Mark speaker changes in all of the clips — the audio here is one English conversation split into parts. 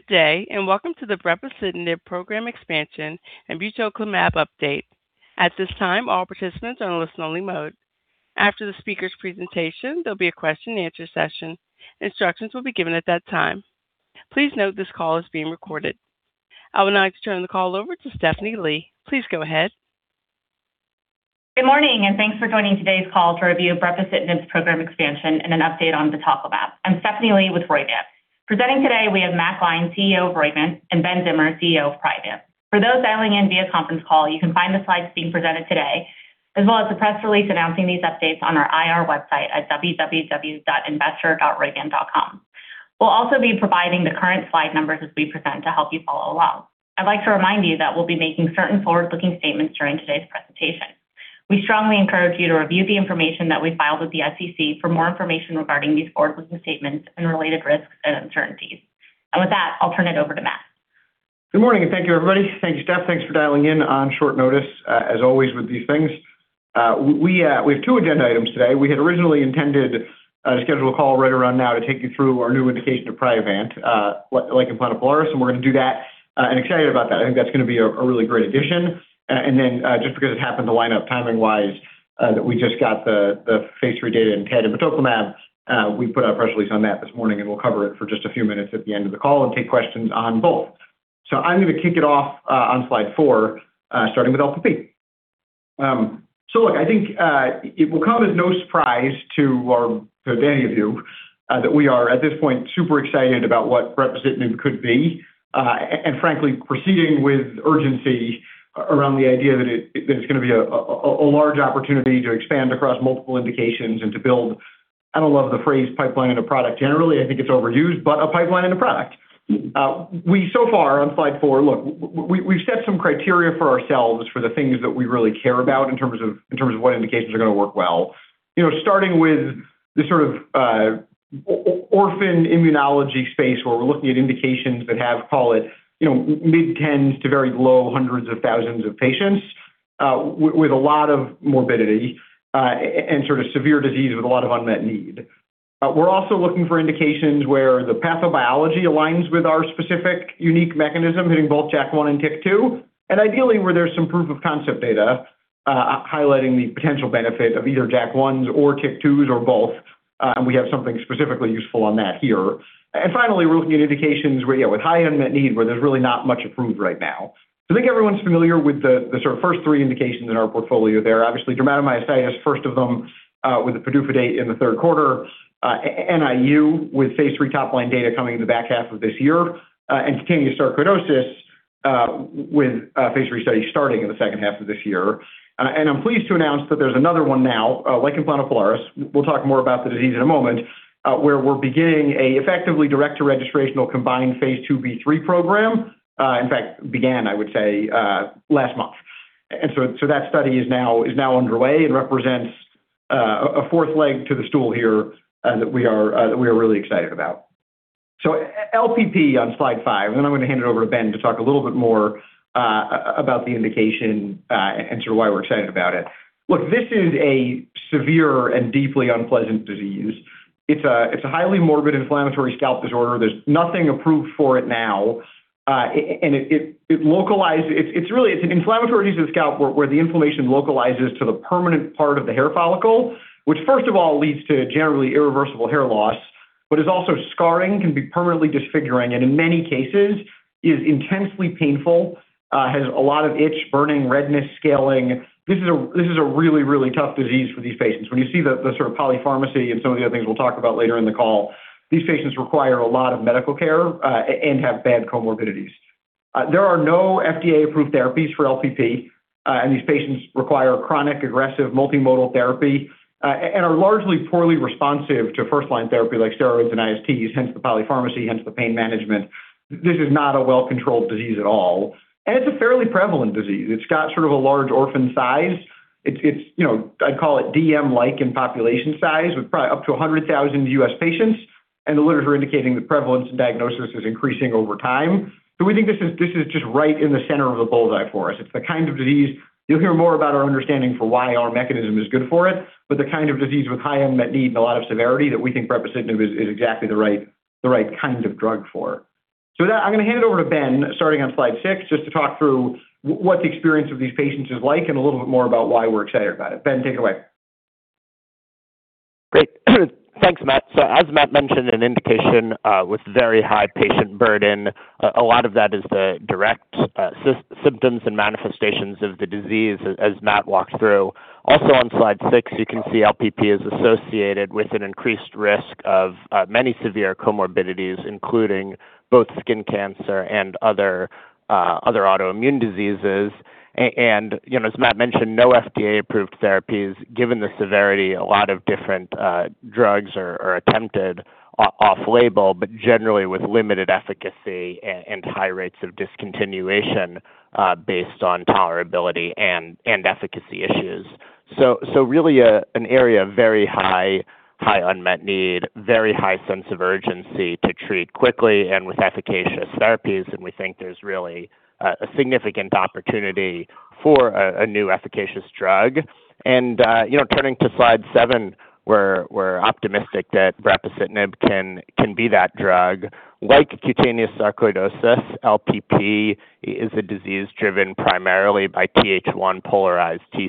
Speaker 1: Good day, and welcome to the brepocitinib Program Expansion and batoclimab update. At this time, all participants are in listen-only mode. After the speaker's presentation, there'll be a question and answer session. Instructions will be given at that time. Please note this call is being recorded. I would now like to turn the call over to Stephanie Lee. Please go ahead.
Speaker 2: Good morning, and thanks for joining today's call for a review of Roivant's program expansion and an update on the topline. I'm Stephanie Lee with Roivant. Presenting today, we have Matt Gline, CEO of Roivant, and Ben Zimmer, CEO of Priovant. For those dialing in via conference call, you can find the slides being presented today, as well as a press release announcing these updates on our IR website at www.investor.roivant.com. We'll also be providing the current slide numbers as we present to help you follow along. I'd like to remind you that we'll be making certain forward-looking statements during today's presentation. We strongly encourage you to review the information that we filed with the SEC for more information regarding these forward-looking statements and related risks and uncertainties. With that, I'll turn it over to Matt.
Speaker 3: Good morning, and thank you, everybody. Thank you, Steph. Thanks for dialing in on short notice, as always with these things. We have two agenda items today. We had originally intended to schedule a call right around now to take you through our new indication of Priovant in lichen planopilaris, and we're gonna do that, and excited about that. I think that's gonna be a really great addition. Then, just because it happened to line up timing-wise, that we just got the phase III data in TED and batoclimab, we put a press release on that this morning, and we'll cover it for just a few minutes at the end of the call and take questions on both. I'm gonna kick it off on slide four, starting with LPP. Look, I think it will come as no surprise to any of you that we are at this point super excited about what brepocitinib could be, and frankly, proceeding with urgency around the idea that it's gonna be a large opportunity to expand across multiple indications and to build. I don't love the phrase pipeline into product. Generally, I think it's overused, but a pipeline into product. So far on slide four, look, we've set some criteria for ourselves for the things that we really care about in terms of what indications are gonna work well. You know, starting with the sort of orphan immunology space where we're looking at indications that have call it, you know, mid-10s to very low hundreds of thousands of patients, with a lot of morbidity, and sort of severe disease with a lot of unmet need. We're also looking for indications where the pathobiology aligns with our specific unique mechanism hitting both JAK1 and TYK2, and ideally, where there's some proof of concept data, highlighting the potential benefit of either JAK1s or TYK2s or both, and we have something specifically useful on that here. Finally, we're looking at indications where, you know, with high unmet need where there's really not much approved right now. I think everyone's familiar with the sort of first three indications in our portfolio there. Obviously, dermatomyositis, first of them, with the PDUFA date in the third quarter, NIU with phase III top line data coming in the back half of this year, and cutaneous sarcoidosis, with a phase III study starting in the second half of this year. I'm pleased to announce that there's another one now, lichen planopilaris. We'll talk more about the disease in a moment, where we're beginning effectively direct to registrational combined phase II-B/III program, in fact, began, I would say, last month. So that study is now underway and represents a fourth leg to the stool here, that we are really excited about. LPP on slide five, then I'm gonna hand it over to Ben to talk a little bit more about the indication and sort of why we're excited about it. Look, this is a severe and deeply unpleasant disease. It's a highly morbid inflammatory scalp disorder. There's nothing approved for it now. It's really an inflammatory disease of the scalp where the inflammation localizes to the permanent part of the hair follicle, which first of all leads to generally irreversible hair loss, but is also scarring, can be permanently disfiguring, and in many cases is intensely painful, has a lot of itch, burning, redness, scaling. This is a really tough disease for these patients. When you see the sort of polypharmacy and some of the other things we'll talk about later in the call, these patients require a lot of medical care and have bad comorbidities. There are no FDA-approved therapies for LPP, and these patients require chronic, aggressive, multimodal therapy and are largely poorly responsive to first-line therapy like steroids and ISTs, hence the polypharmacy, hence the pain management. This is not a well-controlled disease at all. It's a fairly prevalent disease. It's got sort of a large orphan size. You know, I'd call it DM-like in population size with probably up to 100,000 U.S. patients, and the literature indicating the prevalence and diagnosis is increasing over time. We think this is just right in the center of the bull's eye for us. It's the kind of disease you'll hear more about our understanding for why our mechanism is good for it, but the kind of disease with high unmet need and a lot of severity that we think brepocitinib is exactly the right kind of drug for. With that, I'm gonna hand it over to Ben, starting on slide six, just to talk through what the experience of these patients is like and a little bit more about why we're excited about it. Ben, take it away.
Speaker 4: Great. Thanks, Matt. As Matt mentioned, an indication with very high patient burden. A lot of that is the direct symptoms and manifestations of the disease as Matt walked through. Also on slide six, you can see LPP is associated with an increased risk of many severe comorbidities, including both skin cancer and other autoimmune diseases. And, you know, as Matt mentioned, no FDA-approved therapies. Given the severity, a lot of different drugs are attempted off-label, but generally with limited efficacy and high rates of discontinuation based on tolerability and efficacy issues. Really an area of very high unmet need, very high sense of urgency to treat quickly and with efficacious therapies, and we think there's really a significant opportunity for a new efficacious drug. You know, turning to slide seven, we're optimistic that brepocitinib can be that drug. Like cutaneous sarcoidosis, LPP is a disease driven primarily by Th1 polarized T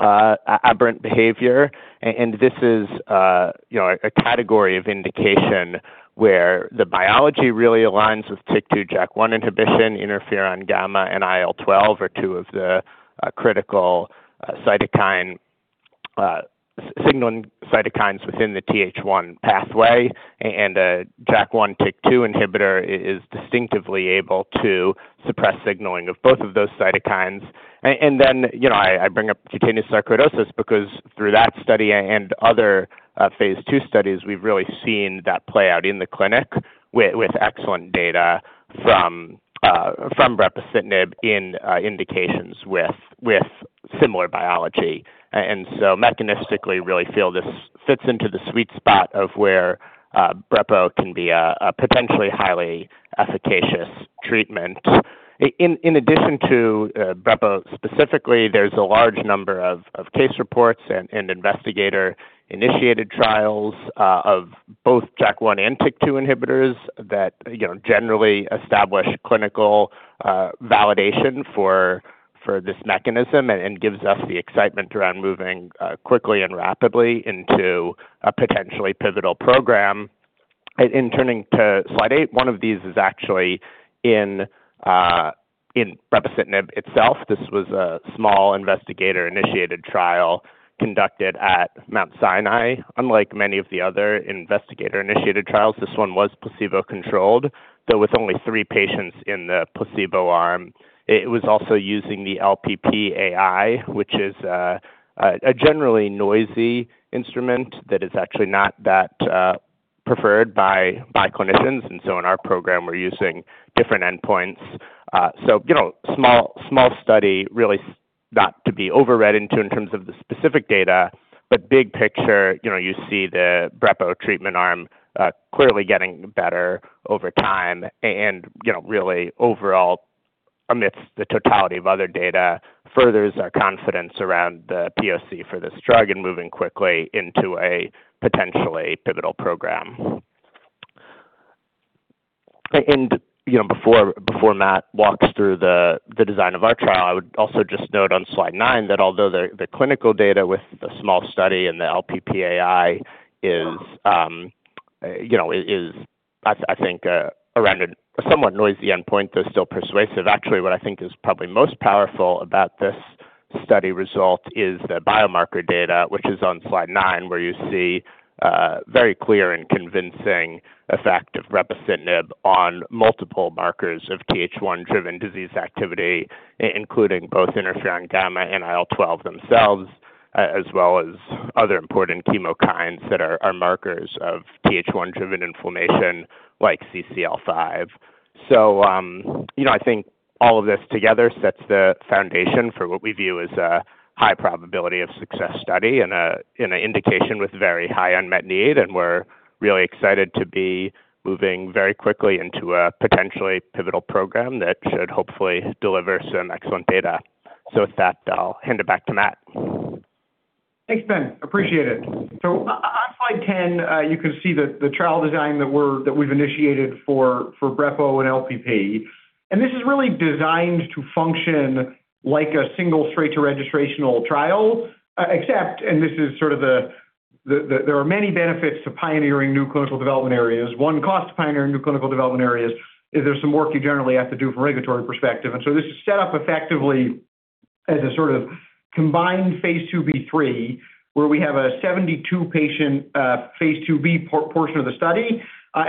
Speaker 4: cell aberrant behavior. This is, you know, a category of indication where the biology really aligns with TYK2/JAK1 inhibition. Interferon gamma and IL-12 are two of the critical signaling cytokines within the Th1 pathway. A JAK1, TYK2 inhibitor is distinctively able to suppress signaling of both of those cytokines. You know, I bring up cutaneous sarcoidosis because through that study and other phase II studies, we've really seen that play out in the clinic with excellent data from brepocitinib in indications with similar biology. Mechanistically really feel this fits into the sweet spot of where brepo can be a potentially highly efficacious treatment. In addition to brepo specifically, there's a large number of case reports and investigator-initiated trials of both JAK1 and TYK2 inhibitors that you know generally establish clinical validation for this mechanism and gives us the excitement around moving quickly and rapidly into a potentially pivotal program. Turning to slide eight, one of these is actually in brepocitinib itself. This was a small investigator-initiated trial conducted at Mount Sinai. Unlike many of the other investigator-initiated trials, this one was placebo-controlled, though with only three patients in the placebo arm. It was also using the LPP AI, which is a generally noisy instrument that is actually not that preferred by clinicians. In our program, we're using different endpoints. You know, small study really should not be overread into in terms of the specific data, but big picture, you know, you see the brepo treatment arm clearly getting better over time and, you know, really overall, amidst the totality of other data, furthers our confidence around the POC for this drug and moving quickly into a potentially pivotal program. You know, before Matt walks through the design of our trial, I would also just note on slide nine that although the clinical data with the small study and the LPP AI is, you know, I think around a somewhat noisy endpoint, though still persuasive, actually, what I think is probably most powerful about this study result is the biomarker data, which is on slide nine, where you see very clear and convincing effect of brepocitinib on multiple markers of Th1-driven disease activity, including both interferon gamma and IL-12 themselves, as well as other important chemokines that are markers of Th1-driven inflammation, like CCL5. You know, I think all of this together sets the foundation for what we view as a high probability of success study in an indication with very high unmet need, and we're really excited to be moving very quickly into a potentially pivotal program that should hopefully deliver some excellent data. With that, I'll hand it back to Matt.
Speaker 3: Thanks, Ben. Appreciate it. On slide 10, you can see the trial design that we've initiated for brepo and LPP. This is really designed to function like a single straight-to-registrational trial, except, and this is sort of, there are many benefits to pioneering new clinical development areas. One cost to pioneering new clinical development areas is there's some work you generally have to do from a regulatory perspective. This is set up effectively as a sort of combined phase II-B/III, where we have a 72 patient phase II-B portion of the study.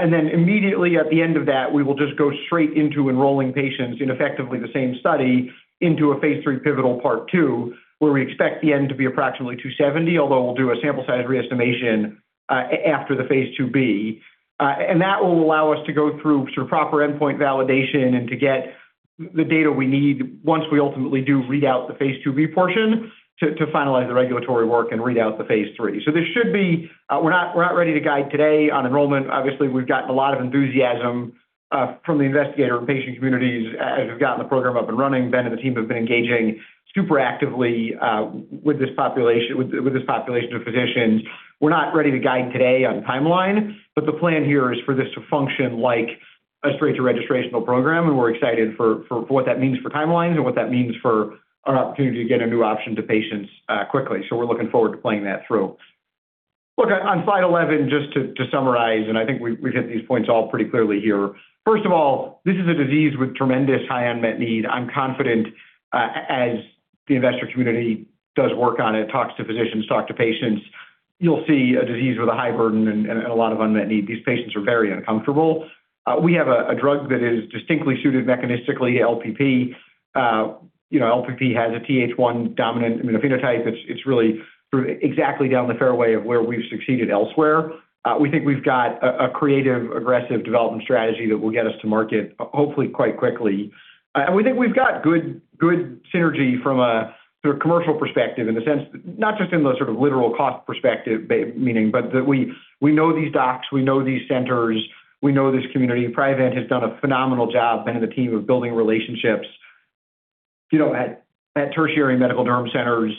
Speaker 3: Immediately at the end of that, we will just go straight into enrolling patients in effectively the same study into a phase III pivotal part two, where we expect the end to be approximately 270, although we'll do a sample size re-estimation after the phase II-B. That will allow us to go through sort of proper endpoint validation and to get the data we need once we ultimately do read out the phase II-B portion to finalize the regulatory work and read out the phase III. We're not ready to guide today on enrollment. Obviously, we've gotten a lot of enthusiasm from the investigator and patient communities as we've gotten the program up and running. Ben and the team have been engaging super actively with this population of physicians. We're not ready to guide today on timeline, but the plan here is for this to function like a straight-to-registrational program, and we're excited for what that means for timelines and what that means for an opportunity to get a new option to patients quickly. We're looking forward to playing that through. Look, on slide eleven, just to summarize, and I think we've hit these points all pretty clearly here. First of all, this is a disease with tremendous high unmet need. I'm confident, as the investor community does work on it, talks to physicians, talk to patients, you'll see a disease with a high burden and a lot of unmet need. These patients are very uncomfortable. We have a drug that is distinctly suited mechanistically, LPP. You know, LPP has a Th1 dominant immunophenotype. It's really through exactly down the fairway of where we've succeeded elsewhere. We think we've got a creative, aggressive development strategy that will get us to market hopefully quite quickly. We think we've got good synergy from a commercial perspective in the sense, not just in the sort of literal cost perspective meaning, but that we know these docs, we know these centers, we know this community. Priovant has done a phenomenal job and the team in building relationships, you know, at tertiary medical derm centers,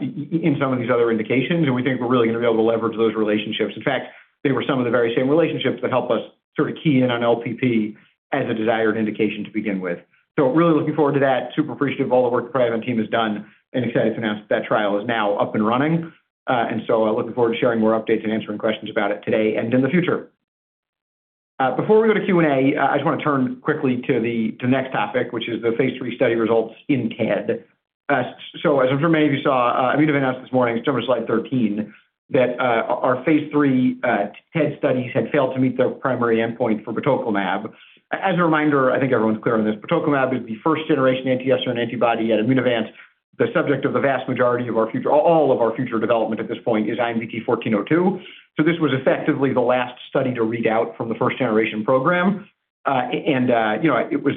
Speaker 3: in some of these other indications, and we think we're really gonna be able to leverage those relationships. In fact, they were some of the very same relationships that helped us sort of key in on LPP as a desired indication to begin with. Really looking forward to that. Super appreciative of all the work the Priovant team has done and excited to announce that trial is now up and running. Looking forward to sharing more updates and answering questions about it today and in the future. Before we go to Q&A, I just wanna turn quickly to the next topic, which is the phase III study results in TED. As I'm sure many of you saw, Immunovant this morning. It's over slide 13 that our phase III TED studies had failed to meet their primary endpoint for batoclimab. As a reminder, I think everyone's clear on this, batoclimab is the first generation anti-FcRn antibody at Immunovant. The subject of all of our future development at this point is IMVT-1402. This was effectively the last study to read out from the first generation program. It was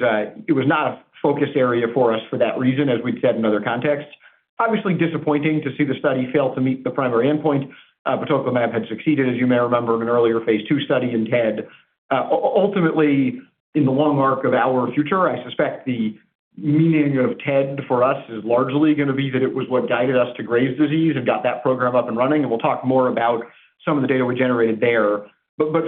Speaker 3: not a focus area for us for that reason, as we've said in other contexts. Obviously disappointing to see the study fail to meet the primary endpoint. Batoclimab had succeeded, as you may remember, in an earlier phase II study in TED. Ultimately, in the long arc of our future, I suspect the meaning of TED for us is largely gonna be that it was what guided us to Graves' disease and got that program up and running. We'll talk more about some of the data we generated there.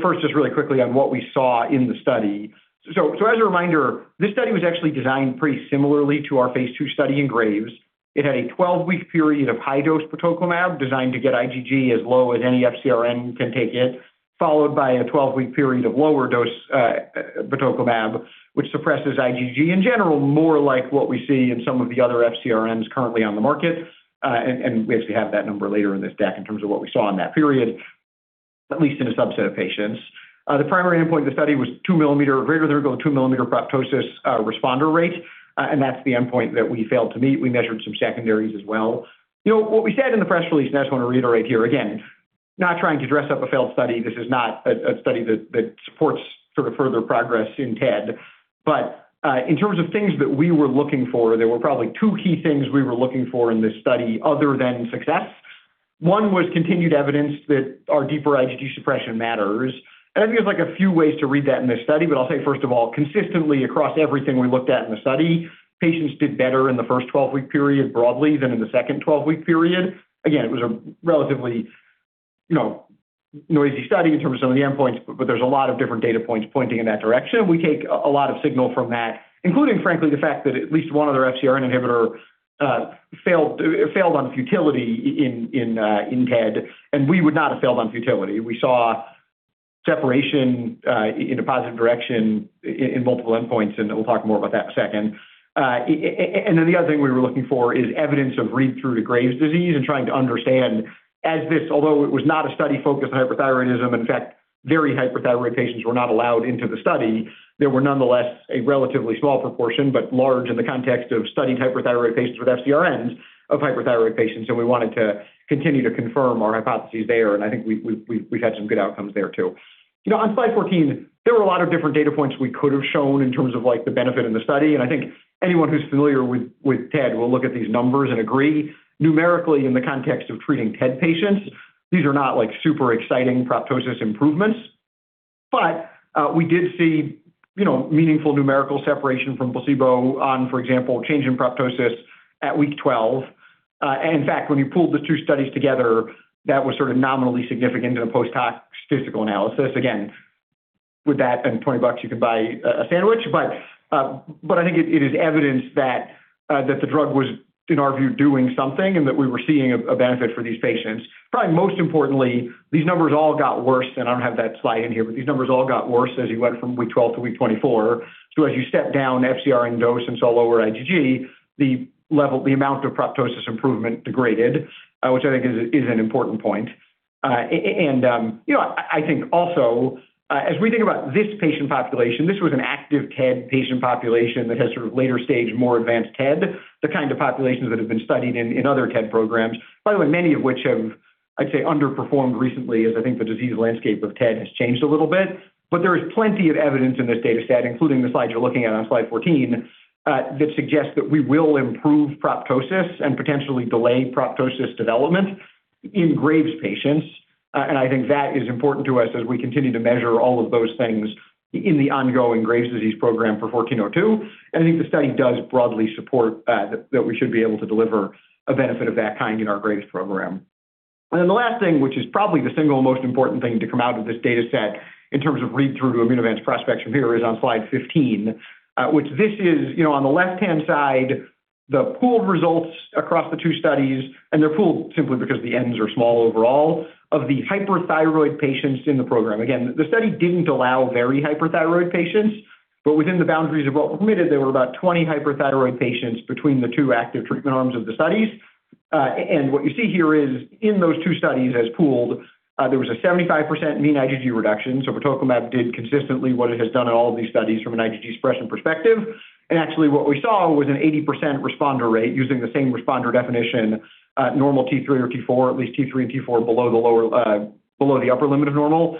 Speaker 3: First, just really quickly on what we saw in the study. As a reminder, this study was actually designed pretty similarly to our phase II study in Graves. It had a 12 week period of high-dose batoclimab designed to get IgG as low as any FcRn can take it, followed by a 12 week period of lower dose batoclimab, which suppresses IgG in general, more like what we see in some of the other FcRns currently on the market, and we actually have that number later in this deck in terms of what we saw in that period, at least in a subset of patients. The primary endpoint of the study was greater than or equal to 2 mm proptosis responder rate, and that's the endpoint that we failed to meet. We measured some secondaries as well. You know, what we said in the press release, and I just want to reiterate here again, not trying to dress up a failed study. This is not a study that supports sort of further progress in TED. In terms of things that we were looking for, there were probably two key things we were looking for in this study other than success. One was continued evidence that our deeper IgG suppression matters. I think there's like a few ways to read that in this study, but I'll say, first of all, consistently across everything we looked at in the study, patients did better in the first 12 week period broadly than in the second 12 week period. Again, it was a relatively, you know, noisy study in terms of some of the endpoints, but there's a lot of different data points pointing in that direction. We take a lot of signal from that, including, frankly, the fact that at least one other FcRn inhibitor failed on futility in TED, and we would not have failed on futility. We saw separation in a positive direction in multiple endpoints, and we'll talk more about that in a second. Then the other thing we were looking for is evidence of read-through to Graves' disease and trying to understand as this, although it was not a study focused on hyperthyroidism, in fact, very hyperthyroid patients were not allowed into the study. There were nonetheless a relatively small proportion, but large in the context of studied hyperthyroid patients with FcRns of hyperthyroid patients, and we wanted to continue to confirm our hypotheses there. I think we've had some good outcomes there too. You know, on slide 14, there were a lot of different data points we could have shown in terms of like the benefit in the study. I think anyone who's familiar with TED will look at these numbers and agree numerically in the context of treating TED patients, these are not like super exciting proptosis improvements. We did see, you know, meaningful numerical separation from placebo on, for example, change in proptosis at week 12. In fact, when you pooled the two studies together, that was sort of nominally significant in a post-hoc statistical analysis. Again, with that and $20, you could buy a sandwich. But I think it is evidence that the drug was, in our view, doing something and that we were seeing a benefit for these patients. Probably most importantly, these numbers all got worse, and I don't have that slide in here, but these numbers all got worse as you went from week 12 to week 24. As you step down FcRn dose and saw lower IgG, the level, the amount of proptosis improvement degraded, which I think is an important point. And you know, I think also as we think about this patient population, this was an active TED patient population that has sort of later stage, more advanced TED, the kind of populations that have been studied in other TED programs. By the way, many of which have, I'd say, underperformed recently as I think the disease landscape of TED has changed a little bit. There is plenty of evidence in this data set, including the slide you're looking at on slide 14, that suggests that we will improve proptosis and potentially delay proptosis development in Graves patients. I think that is important to us as we continue to measure all of those things in the ongoing Graves' disease program for 1402. I think the study does broadly support that we should be able to deliver a benefit of that kind in our Graves program. Then the last thing, which is probably the single most important thing to come out of this data set in terms of read-through to Immunovant prospects from here, is on slide 15, which this is, on the left-hand side, the pooled results across the two studies, and they're pooled simply because the Ns are small overall of the hyperthyroid patients in the program. Again, the study didn't allow very hyperthyroid patients, but within the boundaries of what was permitted, there were about 20 hyperthyroid patients between the two active treatment arms of the studies. What you see here is in those two studies as pooled, there was a 75% mean IgG reduction. Batoclimab did consistently what it has done in all of these studies from an IgG suppression perspective. Actually what we saw was an 80% responder rate using the same responder definition, normal T3 or T4, at least T3 and T4 below the upper limit of normal,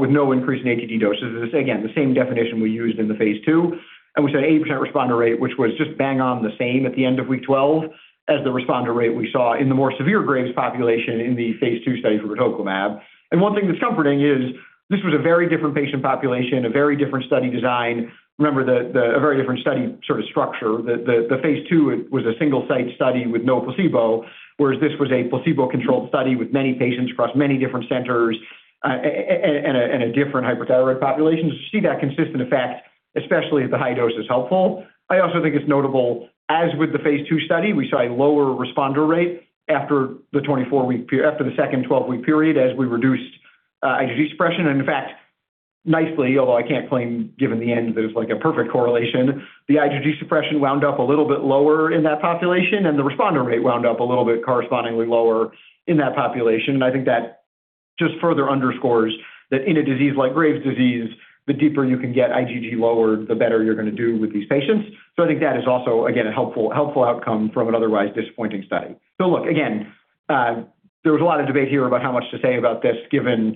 Speaker 3: with no increase in IgG doses. This again, the same definition we used in the phase II, and we said 80% responder rate, which was just bang on the same at the end of week 12 as the responder rate we saw in the more severe Graves' population in the phase II study for batoclimab. One thing that's comforting is this was a very different patient population, a very different study design. Remember the very different study sort of structure. The phase II was a single site study with no placebo, whereas this was a placebo-controlled study with many patients across many different centers, and a different hyperthyroid population. To see that consistent effect, especially at the high dose is helpful. I also think it's notable, as with the phase II study, we saw a lower responder rate after the second 12 week period as we reduced IgG suppression. In fact, nicely, although I can't claim given the end, there's like a perfect correlation. The IgG suppression wound up a little bit lower in that population, and the responder rate wound up a little bit correspondingly lower in that population. I think that just further underscores that in a disease like Graves' disease, the deeper you can get IgG lower, the better you're gonna do with these patients. I think that is also, again, a helpful outcome from an otherwise disappointing study. Look, again, there was a lot of debate here about how much to say about this given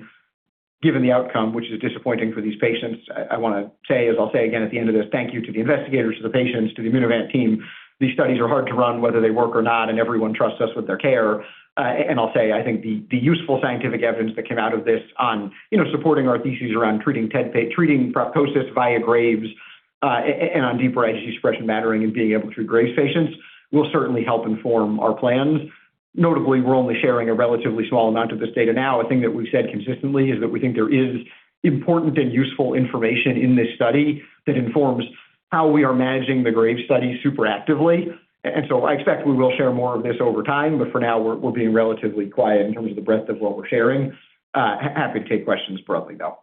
Speaker 3: the outcome, which is disappointing for these patients. I wanna say, as I'll say again at the end of this, thank you to the investigators, to the patients, to the Immunovant team. These studies are hard to run, whether they work or not, and everyone trusts us with their care. I'll say I think the useful scientific evidence that came out of this on, you know, supporting our thesis around treating proptosis via Graves', and on deeper IgG suppression mattering and being able to treat Graves' patients will certainly help inform our plans. Notably, we're only sharing a relatively small amount of this data now. A thing that we've said consistently is that we think there is important and useful information in this study that informs how we are managing the Graves' study super actively. I expect we will share more of this over time, but for now we're being relatively quiet in terms of the breadth of what we're sharing. Happy to take questions broadly, though.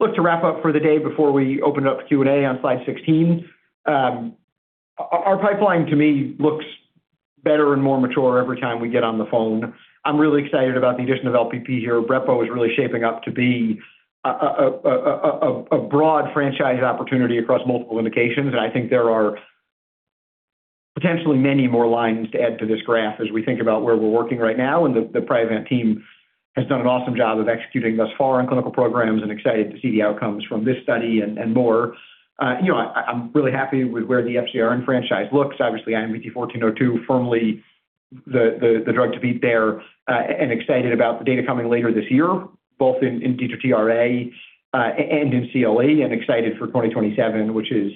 Speaker 3: Look, to wrap up for the day before we open up Q&A on slide 16. Our pipeline to me looks better and more mature every time we get on the phone. I'm really excited about the addition of LPP here. Brepo is really shaping up to be a broad franchise opportunity across multiple indications, and I think there are potentially many more lines to add to this graph as we think about where we're working right now. The Priovant team has done an awesome job of executing thus far on clinical programs. I'm excited to see the outcomes from this study and more. You know, I'm really happy with where the FcRn franchise looks. Obviously IMVT-1402 firmly the drug to beat there, and excited about the data coming later this year, both in DITRA and in CLE and excited for 2027, which is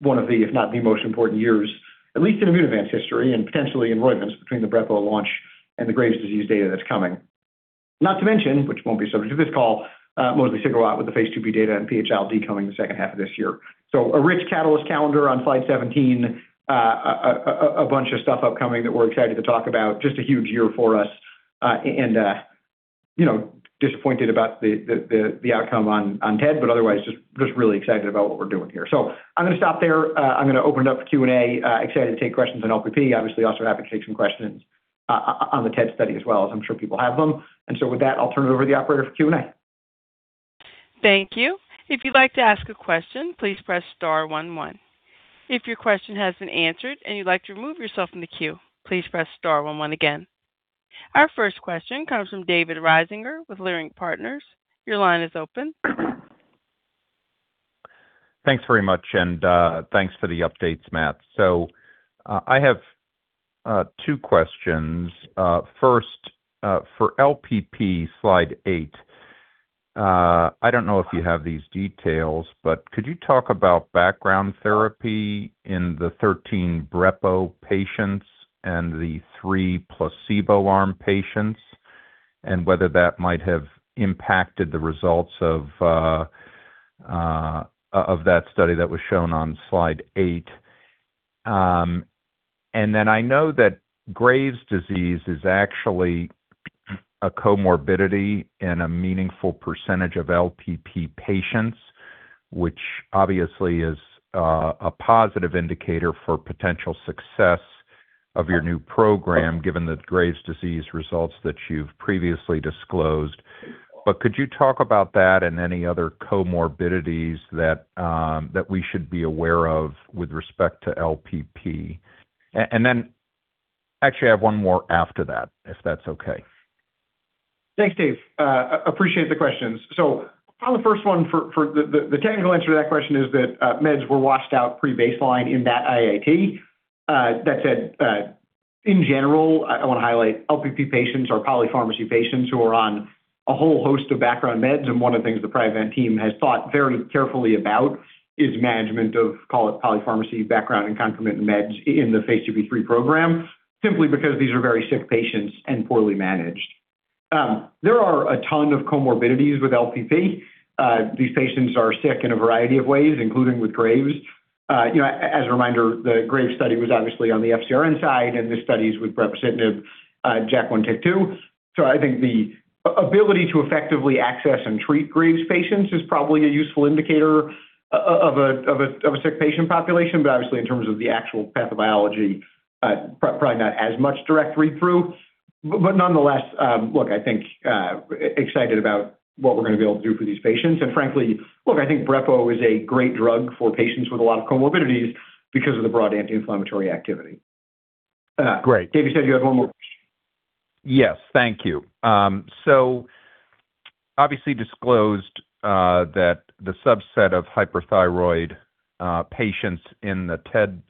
Speaker 3: one of the, if not the most important years, at least in Immunovant's history and potentially in Roivant between the brepo launch and the Graves' disease data that's coming. Not to mention, which won't be subject to this call, mosliciguat with the phase II-B data and PH-ILD coming in the second half of this year. So a rich catalyst calendar on slide 17. A bunch of stuff upcoming that we're excited to talk about. Just a huge year for us. You know, disappointed about the outcome on TED, but otherwise just really excited about what we're doing here. I'm gonna stop there. I'm gonna open it up for Q&A. Excited to take questions on LPP, obviously also happy to take some questions on the TED study as well, as I'm sure people have them. With that, I'll turn it over to the operator for Q&A.
Speaker 1: Thank you. If you'd like to ask a question, please press star one one. If your question has been answered and you'd like to remove yourself from the queue, please press star one one again. Our first question comes from David Risinger with Leerink Partners. Your line is open.
Speaker 5: Thanks very much, and thanks for the updates, Matt. I have two questions. First, for LPP, slide eight, I don't know if you have these details, but could you talk about background therapy in the 13 brepo patients and the three placebo arm patients, and whether that might have impacted the results of that study that was shown on slide eight? Then I know that Graves' disease is actually a comorbidity in a meaningful percentage of LPP patients, which obviously is a positive indicator for potential success of your new program, given the Graves' disease results that you've previously disclosed. Could you talk about that and any other comorbidities that we should be aware of with respect to LPP? Actually I have one more after that, if that's okay.
Speaker 3: Thanks, Dave. Appreciate the questions. On the first one, the technical answer to that question is that meds were washed out pre-baseline in that IIT. That said, in general, I want to highlight LPP patients or polypharmacy patients who are on a whole host of background meds, and one of the things the Priovant team has thought very carefully about is management of call it polypharmacy background and complement meds in the phase II-B/III program, simply because these are very sick patients and poorly managed. There are a ton of comorbidities with LPP. These patients are sick in a variety of ways, including with Graves'. You know, as a reminder, the Graves' study was obviously on the FcRn side, and this study is with representative JAK1, TYK2. I think the ability to effectively access and treat Graves' patients is probably a useful indicator of a sick patient population. Obviously in terms of the actual pathobiology, probably not as much direct read-through. But nonetheless, look, I think I'm excited about what we're gonna be able to do for these patients. Frankly, look, I think brepo is a great drug for patients with a lot of comorbidities because of the broad anti-inflammatory activity.
Speaker 5: Great.
Speaker 3: Dave, you said you had one more?
Speaker 5: Yes. Thank you. Obviously disclosed, that the subset of hyperthyroid patients in the TED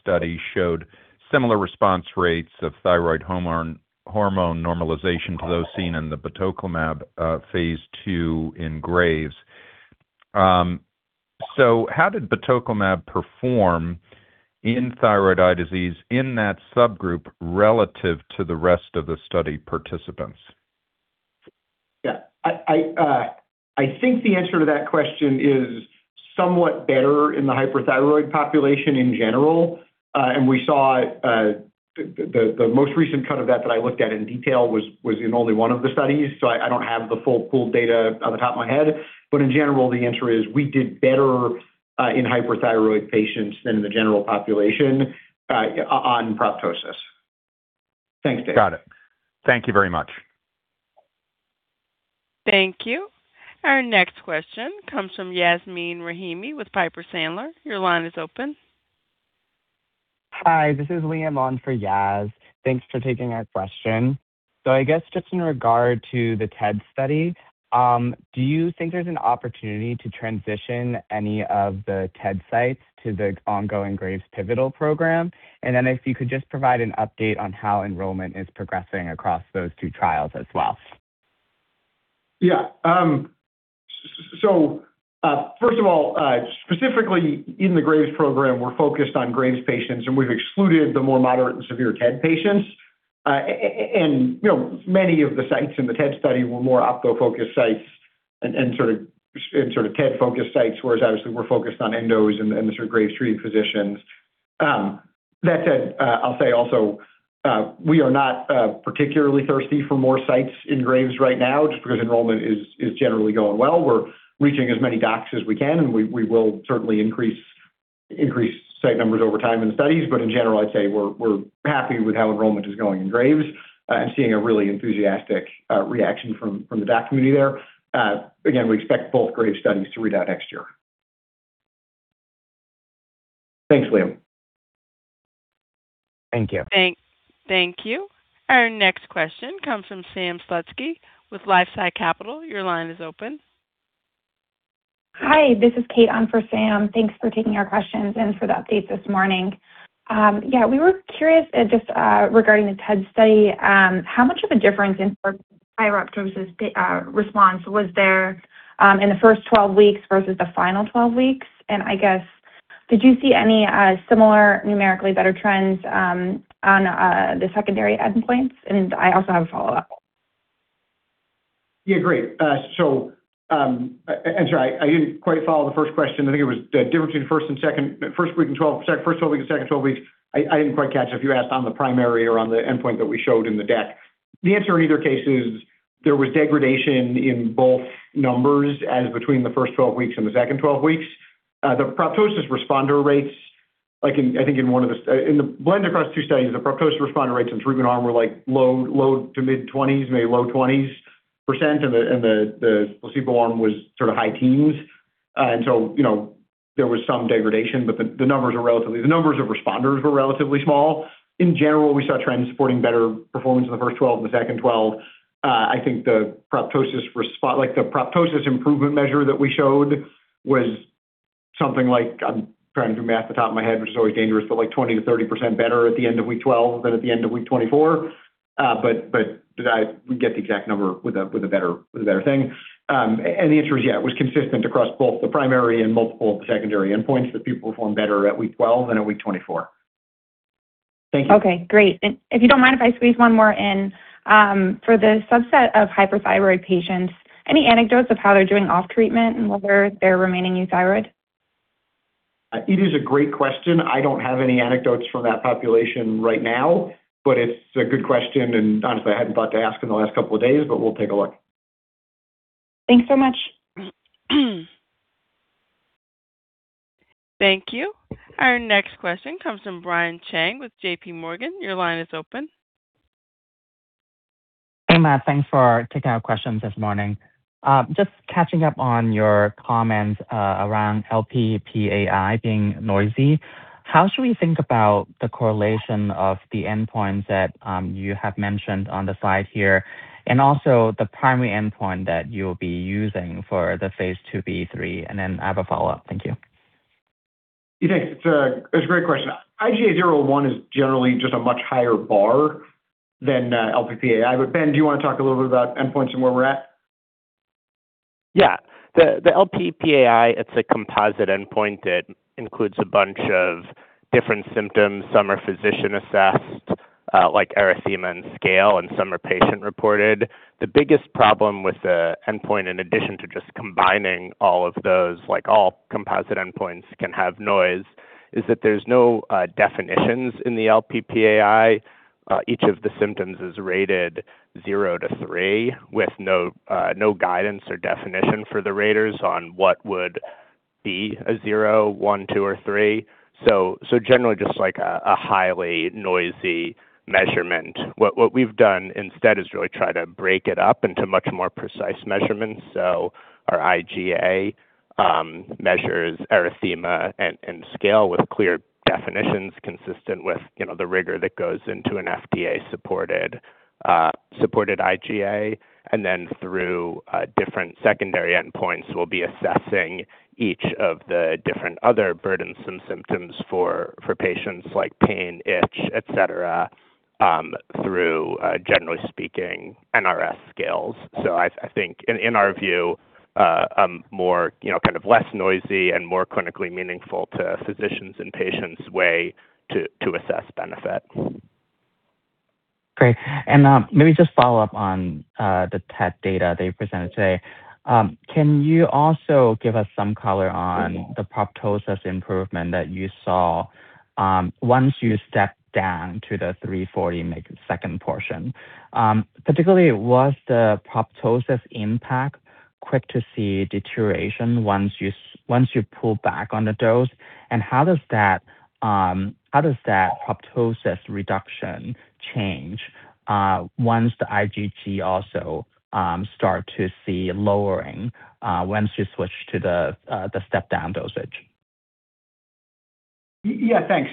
Speaker 5: study showed similar response rates of thyroid hormone normalization to those seen in the batoclimab phase II in Graves'. How did batoclimab perform in thyroid eye disease in that subgroup relative to the rest of the study participants?
Speaker 3: Yeah. I think the answer to that question is somewhat better in the hyperthyroid population in general. We saw the most recent cut of that I looked at in detail was in only one of the studies, so I don't have the full pooled data off the top of my head. In general, the answer is we did better in hyperthyroid patients than in the general population on proptosis. Thanks, Dave.
Speaker 5: Got it. Thank you very much.
Speaker 1: Thank you. Our next question comes from Yasmeen Rahimi with Piper Sandler. Your line is open.
Speaker 6: Hi, this is Liam on for Yas. Thanks for taking our question. I guess just in regard to the TED study, do you think there's an opportunity to transition any of the TED sites to the ongoing Graves' pivotal program? Then if you could just provide an update on how enrollment is progressing across those two trials as well.
Speaker 3: Yeah. First of all, specifically in the Graves' program, we're focused on Graves' patients, and we've excluded the more moderate and severe TED patients. You know, many of the sites in the TED study were more ophtho-focused sites and sort of TED-focused sites, whereas obviously we're focused on endos and the sort of Graves' treated physicians. That said, I'll say also, we are not particularly thirsty for more sites in Graves' right now just because enrollment is generally going well. We're reaching as many docs as we can, and we will certainly increase site numbers over time in the studies. In general, I'd say we're happy with how enrollment is going in Graves' and seeing a really enthusiastic reaction from the doc community there. Again, we expect both Graves' studies to read out next year. Thanks, Liam.
Speaker 6: Thank you.
Speaker 1: Thank you. Our next question comes from Sam Slutsky with LifeSci Capital. Your line is open.
Speaker 7: Hi, this is Kate on for Sam. Thanks for taking our questions and for the update this morning. Yeah, we were curious just regarding the TED study, how much of a difference in proptosis response was there in the first 12 weeks versus the final 12 weeks? I guess, did you see any similar numerically better trends on the secondary endpoints? I also have a follow-up.
Speaker 3: Yeah, great. Sorry, I didn't quite follow the first question. I think it was the difference between first 12 weeks and second 12 weeks. I didn't quite catch if you asked on the primary or on the endpoint that we showed in the deck. The answer in either case is there was degradation in both numbers as between the first 12 weeks and the second 12 weeks. The proptosis responder rates, like in the blend across two studies, the proptosis responder rates in the batoclimab arm were like low to mid-20s, maybe low-20s percent, and the placebo arm was sort of high teens. You know, there was some degradation, but the numbers are relatively. The numbers of responders were relatively small. In general, we saw trends supporting better performance in the first 12 and the second 12. I think the proptosis improvement measure that we showed was something like- I'm trying to do math off the top of my head, which is always dangerous, but like 20%-30% better at the end of week 12 than at the end of week 24. Did I get the exact number with a better thing? The answer is yeah, it was consistent across both the primary and multiple secondary endpoints that people performed better at week 12 than at week 24.
Speaker 7: Thank you. Okay, great. If you don't mind, if I squeeze one more in. For the subset of hyperthyroid patients, any anecdotes of how they're doing off treatment and whether they're remaining euthyroid?
Speaker 3: It is a great question. I don't have any anecdotes from that population right now, but it's a good question, and honestly, I hadn't thought to ask in the last couple of days, but we'll take a look.
Speaker 7: Thanks so much.
Speaker 1: Thank you. Our next question comes from Brian Cheng with JPMorgan. Your line is open.
Speaker 8: Hey, Matt. Thanks for taking our questions this morning. Just catching up on your comments around LPP AI being noisy. How should we think about the correlation of the endpoints that you have mentioned on the slide here and also the primary endpoint that you'll be using for the phase II-B/III? I have a follow-up. Thank you.
Speaker 3: Yeah, thanks. It's a great question. IGA 0/1 is generally just a much higher bar than LPP AI. Ben, do you wanna talk a little bit about endpoints and where we're at?
Speaker 4: Yeah. The LPP AI, it's a composite endpoint that includes a bunch of different symptoms. Some are physician-assessed, like erythema and scale, and some are patient-reported. The biggest problem with the endpoint, in addition to just combining all of those, like all composite endpoints can have noise. Is that there's no definitions in the LPP AI. Each of the symptoms is rated zero to three with no guidance or definition for the raters on what would be a zero, one, two, or three. Generally just like a highly noisy measurement. What we've done instead is really try to break it up into much more precise measurements. Our IGA measures erythema and scale with clear definitions consistent with, you know, the rigor that goes into an FDA-supported IGA. Then through different secondary endpoints, we'll be assessing each of the different other burdens and symptoms for patients like pain, itch, et cetera through generally speaking NRS scales. I think in our view, a more, you know, kind of less noisy and more clinically meaningful to physicians and patients way to assess benefit.
Speaker 8: Great. Maybe just follow up on the TED data that you presented today. Can you also give us some color on the proptosis improvement that you saw once you stepped down to the 340 mg SC portion? Particularly, was the proptosis impact quick to see deterioration once you pull back on the dose? How does that proptosis reduction change once the IgG also start to see lowering once you switch to the step-down dosage?
Speaker 3: Yeah, thanks.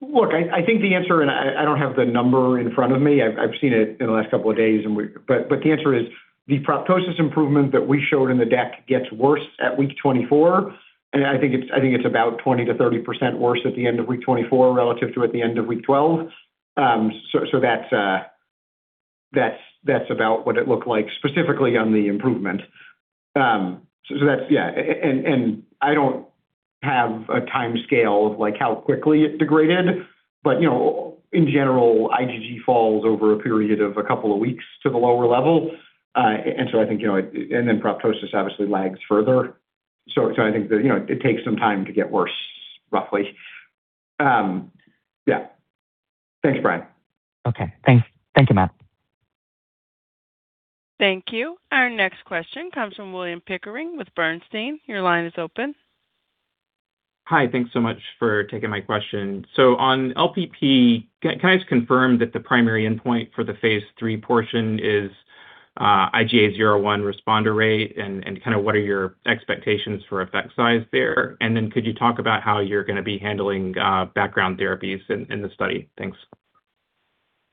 Speaker 3: Look, I think the answer, I don't have the number in front of me. I've seen it in the last couple of days. The answer is the proptosis improvement that we showed in the deck gets worse at week 24, and I think it's about 20%-30% worse at the end of week 24 relative to at the end of week 12. That's about what it looked like specifically on the improvement. Yeah. I don't have a timescale of, like, how quickly it degraded, but you know, in general, IgG falls over a period of a couple of weeks to the lower level. I think, you know, proptosis obviously lags further. I think that, you know, it takes some time to get worse, roughly. Yeah. Thanks, Brian.
Speaker 8: Okay. Thanks. Thank you, Matt.
Speaker 1: Thank you. Our next question comes from William Pickering with Bernstein. Your line is open.
Speaker 9: Hi. Thanks so much for taking my question. On LPP, can I just confirm that the primary endpoint for the phase III portion is IGA 0/1 responder rate, and kind of what are your expectations for effect size there? And then could you talk about how you're gonna be handling background therapies in the study? Thanks.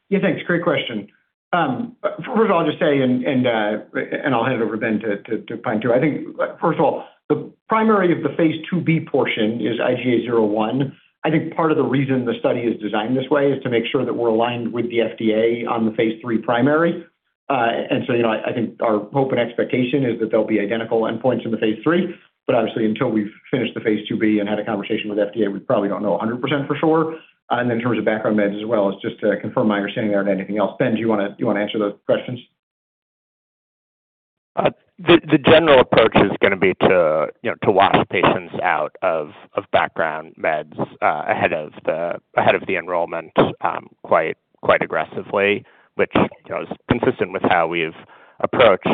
Speaker 3: Yeah, thanks. Great question. First of all, I'll just say, and I'll hand it over then to Ben. I think, first of all, the primary of the phase II-B portion is IGA 0/1. I think part of the reason the study is designed this way is to make sure that we're aligned with the FDA on the phase III primary. You know, I think our hope and expectation is that they'll be identical endpoints in the phase III. But obviously, until we've finished the phase II-B and had a conversation with FDA, we probably don't know 100% for sure. Then in terms of background meds as well, just to confirm my understanding there on anything else. Ben, do you wanna answer those questions?
Speaker 4: The general approach is gonna be to you know to wash patients out of background meds ahead of the enrollment quite aggressively, which you know is consistent with how we've approached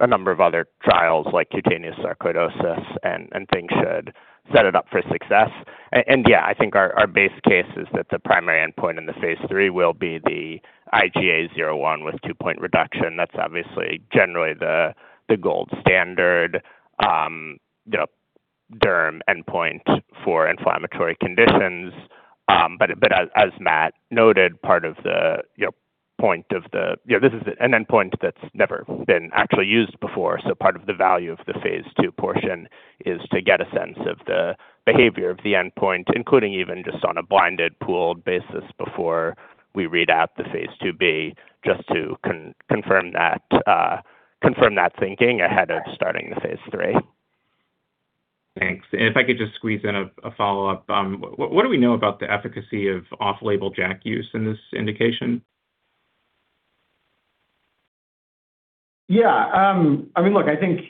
Speaker 4: a number of other trials like cutaneous sarcoidosis and things should set it up for success. Yeah, I think our base case is that the primary endpoint in the phase III will be the IGA 0/1 with 2-point reduction. That's obviously generally the gold standard you know derm endpoint for inflammatory conditions. As Matt noted, part of the point of the you know this is an endpoint that's never been actually used before. Part of the value of the phase II portion is to get a sense of the behavior of the endpoint, including even just on a blinded pooled basis before we read out the phase II-B, just to confirm that thinking ahead of starting the phase III.
Speaker 9: Thanks. If I could just squeeze in a follow-up. What do we know about the efficacy of off-label JAK use in this indication?
Speaker 3: Yeah. I mean, look, I think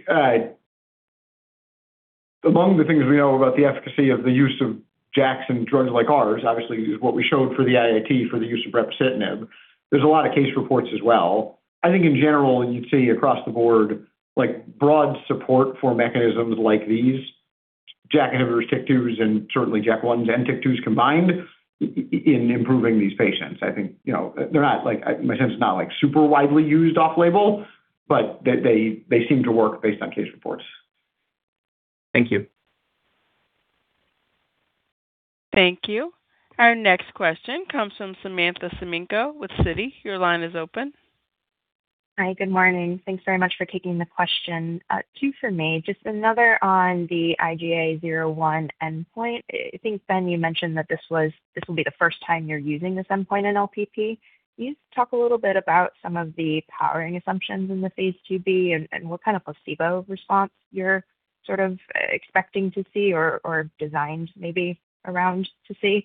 Speaker 3: among the things we know about the efficacy of the use of JAKs and drugs like ours, obviously, is what we showed for the IIT for the use of brepocitinib. There's a lot of case reports as well. I think in general, you'd see across the board, like, broad support for mechanisms like these, JAK inhibitors, TYK2s, and certainly JAK1s and TYK2s combined in improving these patients. I think, you know, they're not like super widely used off-label, but they seem to work based on case reports.
Speaker 9: Thank you.
Speaker 1: Thank you. Our next question comes from Samantha Semenkow with Citi. Your line is open.
Speaker 10: Hi. Good morning. Thanks very much for taking the question. Two for me. Just another on the IGA 0/1 endpoint. I think, Ben, you mentioned that this will be the first time you're using this endpoint in LPP. Can you talk a little bit about some of the powering assumptions in the phase II-B and what kind of placebo response you're sort of expecting to see or designed maybe around to see?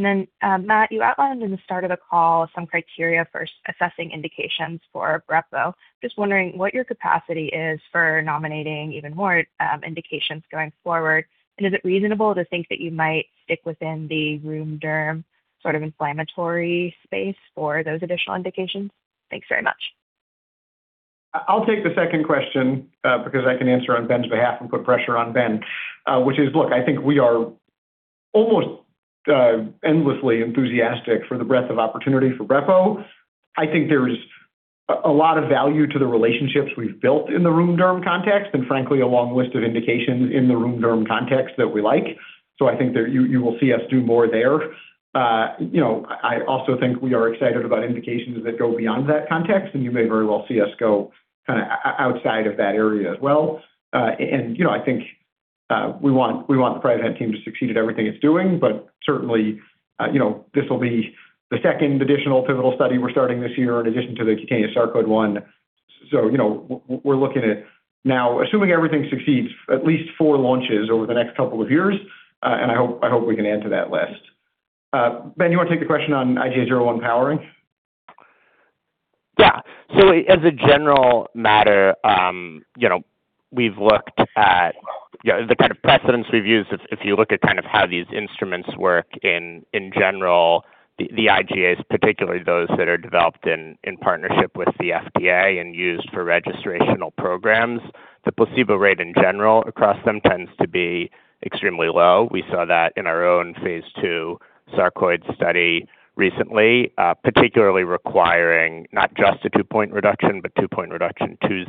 Speaker 10: Then, Matt, you outlined in the start of the call some criteria for assessing indications for brepo. Just wondering what your capacity is for nominating even more indications going forward. Is it reasonable to think that you might stick within the rheum-derm sort of inflammatory space for those additional indications? Thanks very much.
Speaker 3: I'll take the second question, because I can answer on Ben's behalf and put pressure on Ben, which is, look, I think we are almost endlessly enthusiastic for the breadth of opportunity for brepocitinib. I think there's a lot of value to the relationships we've built in the rheum derm context, and frankly, a long list of indications in the rheum derm context that we like. I think there you will see us do more there. You know, I also think we are excited about indications that go beyond that context, and you may very well see us go kinda outside of that area as well. You know, I think we want the Priovant team to succeed at everything it's doing, but certainly, you know, this will be the second additional pivotal study we're starting this year in addition to the cutaneous sarcoidosis one. You know, we're looking at now, assuming everything succeeds, at least four launches over the next couple of years, and I hope we can add to that list. Ben, you want to take the question on IGA 0/1 powering?
Speaker 4: Yeah. As a general matter, you know, we've looked at, you know, the kind of precedents we've used. If you look at kind of how these instruments work in general, the IGAs, particularly those that are developed in partnership with the FDA and used for registrational programs, the placebo rate in general across them tends to be extremely low. We saw that in our own phase II sarcoidosis study recently, particularly requiring not just a 2-point reduction, but 2-point reduction to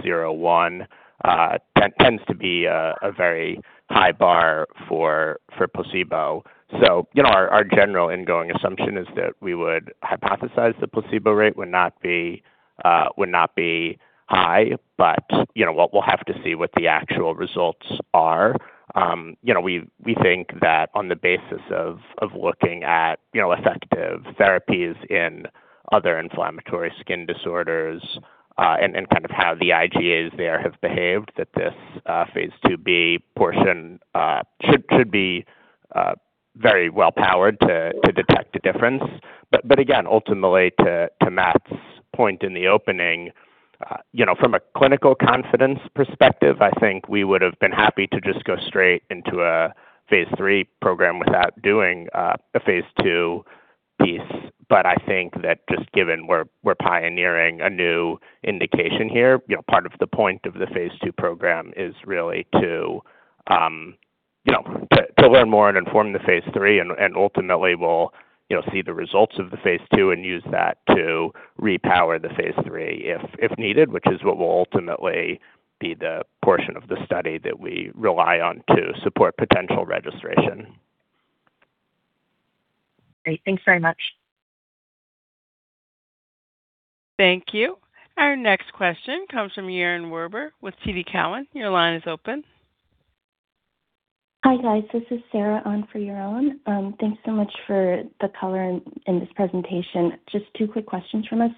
Speaker 4: 0/1, tends to be a very high bar for placebo. You know, our general ingoing assumption is that we would hypothesize the placebo rate would not be high. You know what? We'll have to see what the actual results are. You know, we think that on the basis of looking at you know effective therapies in other inflammatory skin disorders and kind of how the IGAs there have behaved, that this phase II-B portion should be very well powered to detect a difference. Again, ultimately, to Matt's point in the opening, you know, from a clinical confidence perspective, I think we would have been happy to just go straight into a phase III program without doing a phase II piece. I think that just given we're pioneering a new indication here, you know, part of the point of the phase II program is really to you know to learn more and inform the phase III and ultimately we'll you know see the results of the phase II and use that to repower the phase III if needed, which is what will ultimately be the portion of the study that we rely on to support potential registration.
Speaker 10: Great. Thanks very much.
Speaker 1: Thank you. Our next question comes from Yaron Werber with TD Cowen. Your line is open.
Speaker 11: Hi, guys. This is Sarah on for Yaron Werber. Thanks so much for the color in this presentation. Just two quick questions from us.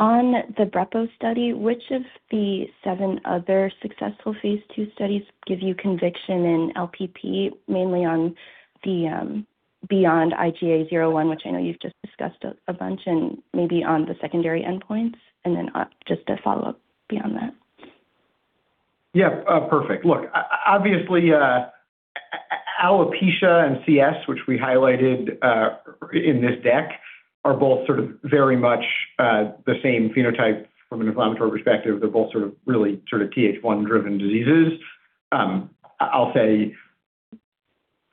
Speaker 11: On the brepo study, which of the seven other successful phase II studies give you conviction in LPP, mainly on the beyond IGA 0/1, which I know you've just discussed a bunch and maybe on the secondary endpoints? Just a follow-up beyond that.
Speaker 3: Yeah. Perfect. Look, obviously, alopecia and CS, which we highlighted in this deck, are both sort of very much the same phenotype from an inflammatory perspective. They're both really sort of Th1 driven diseases. I'll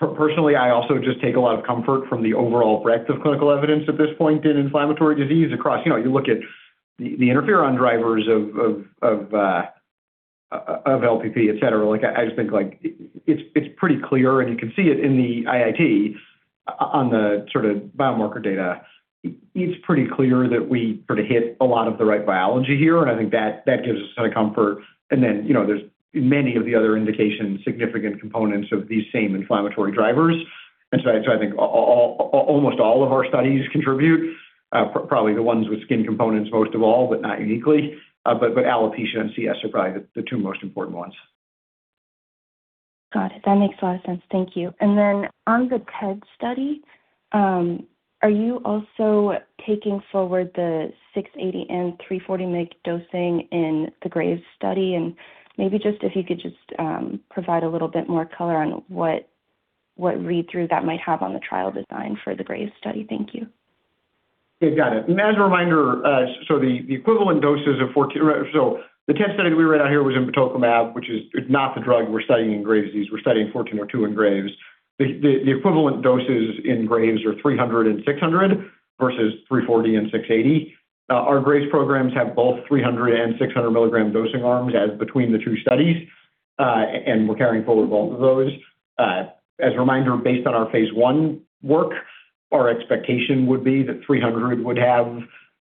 Speaker 3: say personally, I also just take a lot of comfort from the overall breadth of clinical evidence at this point in inflammatory disease across. You know, you look at the interferon drivers of LPP, etc. Like, I just think, like, it's pretty clear, and you can see it in the IIT on the sort of biomarker data. It's pretty clear that we sort of hit a lot of the right biology here, and I think that gives us kinda comfort. You know, there's many of the other indications, significant components of these same inflammatory drivers. I think almost all of our studies contribute, probably the ones with skin components most of all, but not uniquely. Alopecia and CS are probably the two most important ones.
Speaker 11: Got it. That makes a lot of sense. Thank you. On the TED study, are you also taking forward the 680 and 340 mg dosing in the Graves study? Maybe if you could just provide a little bit more color on what read-through that might have on the trial design for the Graves study. Thank you.
Speaker 3: Yeah. Got it. As a reminder, the TED study we read out here was in batoclimab, which is not the drug we're studying in Graves' disease. We're studying 1402 in Graves'. The equivalent doses in Graves' are 300 and 600 versus 340 and 680. Our Graves' programs have both 300 and 600 mg dosing arms between the two studies, and we're carrying forward both of those. As a reminder, based on our phase I work, our expectation would be that 300 would have,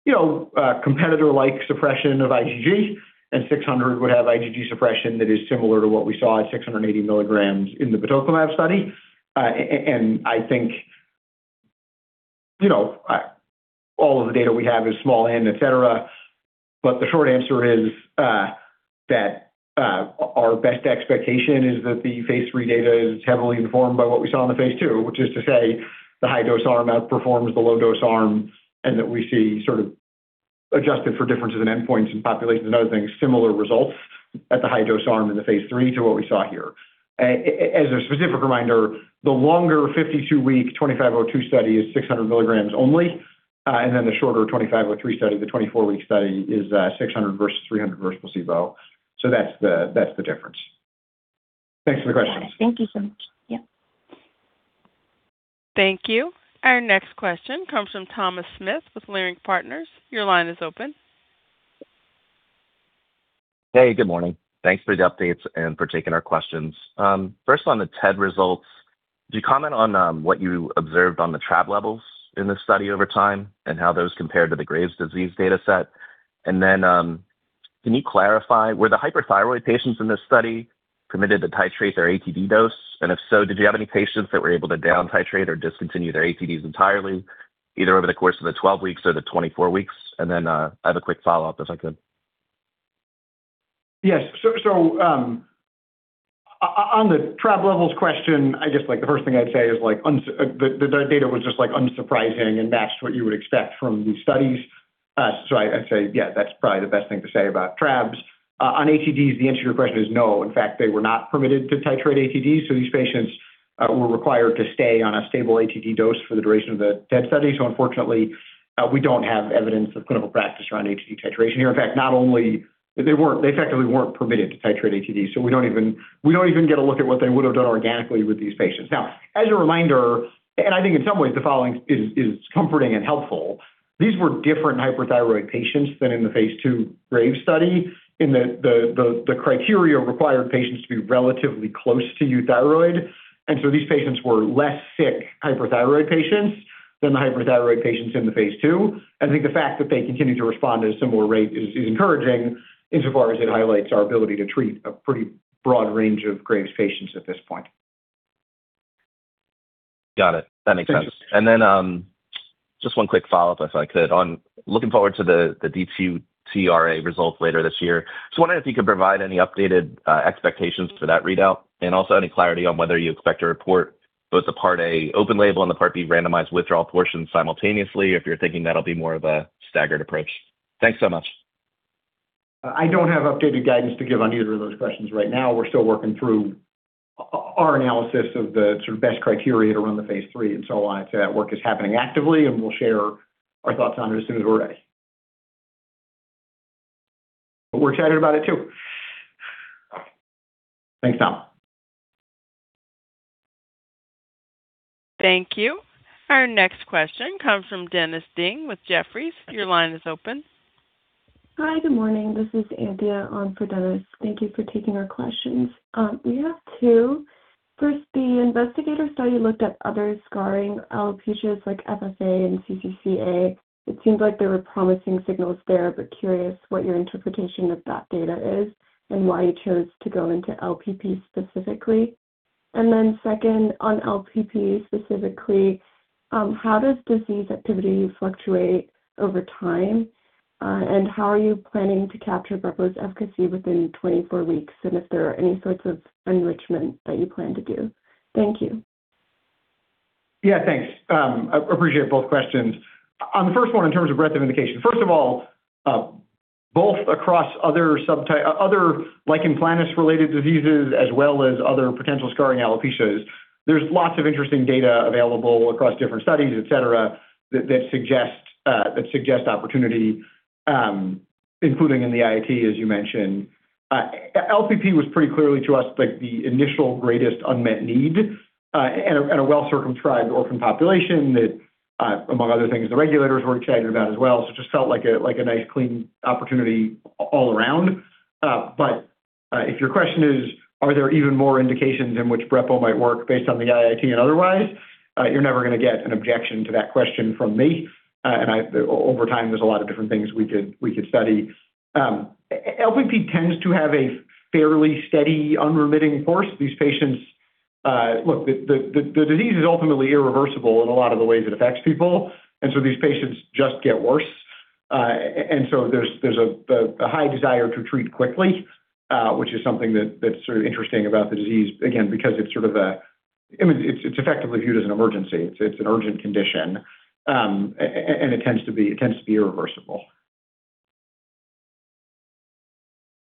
Speaker 3: you know, competitor-like suppression of IgG, and 600 would have IgG suppression that is similar to what we saw at 680 mg in the batoclimab study. I think you know, all of the data we have is small n, et cetera, but the short answer is that our best expectation is that the phase III data is heavily informed by what we saw in the phase II, which is to say the high-dose arm outperforms the low-dose arm and that we see sort of adjusted for differences in endpoints in populations and other things, similar results at the high-dose arm in the phase III to what we saw here. As a specific reminder, the longer 52 week [VALOR] study is 600 mg only, and then the shorter 24 week [VALOR] study is 600 mg versus 300 mg versus placebo. That's the difference. Thanks for the question.
Speaker 11: Yeah. Thank you so much. Yep.
Speaker 1: Thank you. Our next question comes from Thomas Smith with Leerink Partners. Your line is open.
Speaker 12: Hey, good morning. Thanks for the updates and for taking our questions. First on the TED results, could you comment on what you observed on the TRAb levels in this study over time and how those compare to the Graves' disease data set? Can you clarify, were the hyperthyroid patients in this study permitted to titrate their ATD dose? And if so, did you have any patients that were able to down titrate or discontinue their ATDs entirely, either over the course of the 12 weeks or the 24 weeks? I have a quick follow-up if I could.
Speaker 3: Yes. On the TRAb levels question, I just like the first thing I'd say is the data was just like unsurprising and matched what you would expect from these studies. I'd say, yeah, that's probably the best thing to say about TRAbs. On ATDs, the answer to your question is no. In fact, they were not permitted to titrate ATDs, so these patients were required to stay on a stable ATD dose for the duration of the TED study. Unfortunately, we don't have evidence of clinical practice around ATD titration here. In fact, they effectively weren't permitted to titrate ATDs, so we don't even get a look at what they would have done organically with these patients. Now, as a reminder, and I think in some ways the following is comforting and helpful, these were different hyperthyroid patients than in the phase II Graves' study in that the criteria required patients to be relatively close to euthyroid. These patients were less sick hyperthyroid patients than the hyperthyroid patients in the phase II. I think the fact that they continue to respond at a similar rate is encouraging insofar as it highlights our ability to treat a pretty broad range of Graves' patients at this point.
Speaker 12: Got it. That makes sense.
Speaker 3: Thank you.
Speaker 12: Just one quick follow-up if I could. On looking forward to the DCRA results later this year. Just wondering if you could provide any updated expectations for that readout, and also any clarity on whether you expect to report both the part A open label and the part B randomized withdrawal portion simultaneously, if you're thinking that'll be more of a staggered approach. Thanks so much.
Speaker 3: I don't have updated guidance to give on either of those questions right now. We're still working through our analysis of the sort of best criteria to run the phase III and so on. That work is happening actively, and we'll share our thoughts on it as soon as we're ready. We're excited about it too. Thanks, Tom.
Speaker 1: Thank you. Our next question comes from Dennis Ding with Jefferies. Your line is open.
Speaker 13: Hi, good morning. This is Anthea on for Dennis. Thank you for taking our questions. We have two. First, the investigator study looked at other scarring alopecias like FFA and CCCA. It seems like there were promising signals there, but curious what your interpretation of that data is and why you chose to go into LPP specifically. Then second, on LPP specifically, how does disease activity fluctuate over time, and how are you planning to capture brepo's efficacy within 24 weeks, and if there are any sorts of enrichment that you plan to do? Thank you.
Speaker 3: Yeah, thanks. I appreciate both questions. On the first one, in terms of breadth of indication. First of all, both across other lichen planus-related diseases as well as other potential scarring alopecias, there's lots of interesting data available across different studies, et cetera, that suggest opportunity, including in the IIT, as you mentioned. LPP was pretty clearly to us like the initial greatest unmet need, and a well circumscribed orphan population that, among other things, the regulators were excited about as well. So it just felt like a nice, clean opportunity all around. If your question is, are there even more indications in which brepo might work based on the IIT and otherwise, you're never gonna get an objection to that question from me. Over time, there's a lot of different things we could study. LPP tends to have a fairly steady unremitting course. These patients. Look, the disease is ultimately irreversible in a lot of the ways it affects people, and so these patients just get worse. There's a high desire to treat quickly, which is something that's sort of interesting about the disease. Again, because it's sort of an emergency. It's effectively viewed as an emergency. It's an urgent condition. It tends to be irreversible.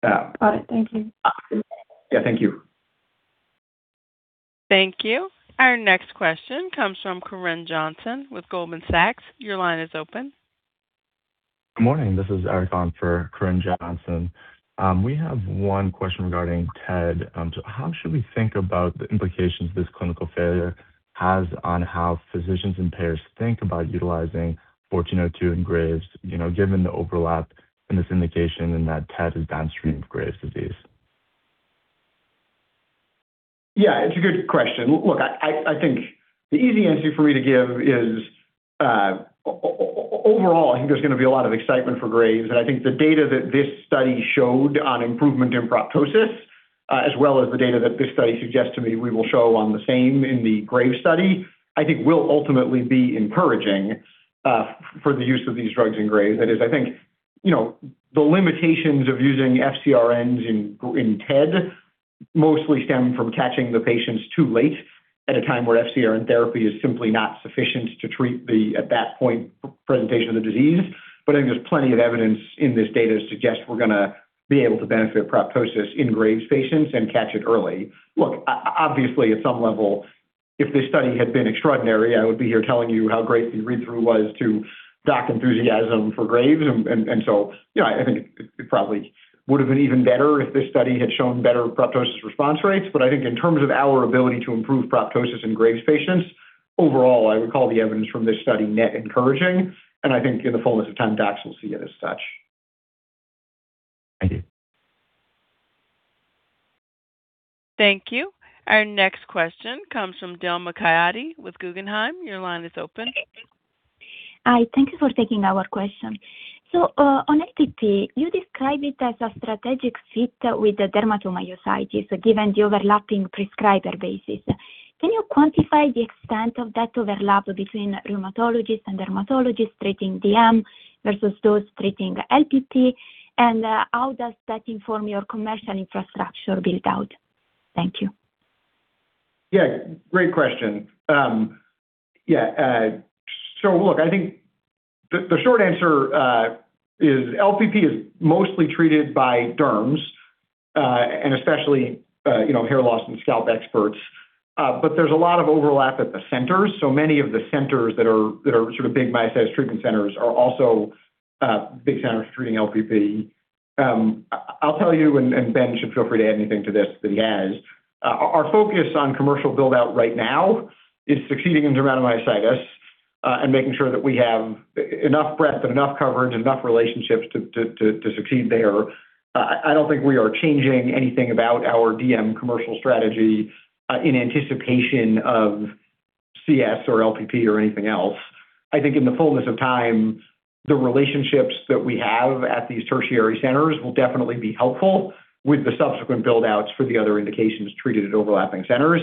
Speaker 13: Got it. Thank you.
Speaker 3: Yeah, thank you.
Speaker 1: Thank you. Our next question comes from Corinne Johnson with Goldman Sachs. Your line is open.
Speaker 14: Good morning. This is Eric on for Corinne Johnson. We have one question regarding TED. How should we think about the implications this clinical failure has on how physicians and payers think about utilizing 1402 in Graves', you know, given the overlap in this indication and that TED is downstream of Graves' disease?
Speaker 3: Yeah, it's a good question. Look, I think the easy answer for me to give is overall, I think there's gonna be a lot of excitement for Graves', and I think the data that this study showed on improvement in proptosis as well as the data that this study suggests to me we will show on the same in the Graves study I think will ultimately be encouraging for the use of these drugs in Graves. That is I think, you know, the limitations of using FcRns in TED mostly stem from catching the patients too late at a time where FcRn therapy is simply not sufficient to treat the at that point presentation of the disease. I think there's plenty of evidence in this data to suggest we're gonna be able to benefit proptosis in Graves patients and catch it early. Look, obviously, at some level, if this study had been extraordinary, I would be here telling you how great the read-through was to doc enthusiasm for Graves. You know, I think it probably would have been even better if this study had shown better proptosis response rates. I think in terms of our ability to improve proptosis in Graves patients, overall, I would call the evidence from this study net encouraging, and I think in the fullness of time, docs will see it as such.
Speaker 14: Thank you.
Speaker 1: Thank you. Our next question comes from Debjit Chattopadhyay with Guggenheim. Your line is open.
Speaker 15: Hi. Thank you for taking our question. On LPP, you describe it as a strategic fit with the dermatomyositis, given the overlapping prescriber basis. Can you quantify the extent of that overlap between rheumatologists and dermatologists treating DM versus those treating LPP? How does that inform your commercial infrastructure build-out? Thank you.
Speaker 3: Yeah, great question. Yeah, so look, I think the short answer is LPP is mostly treated by derms, and especially, you know, hair loss and scalp experts. But there's a lot of overlap at the centers. Many of the centers that are sort of big myositis treatment centers are also big centers treating LPP. I'll tell you, and Ben should feel free to add anything to this that he has. Our focus on commercial build-out right now is succeeding in dermatomyositis, and making sure that we have enough breadth, enough coverage, enough relationships to succeed there. I don't think we are changing anything about our DM commercial strategy, in anticipation of CS or LPP or anything else. I think in the fullness of time, the relationships that we have at these tertiary centers will definitely be helpful with the subsequent build-outs for the other indications treated at overlapping centers.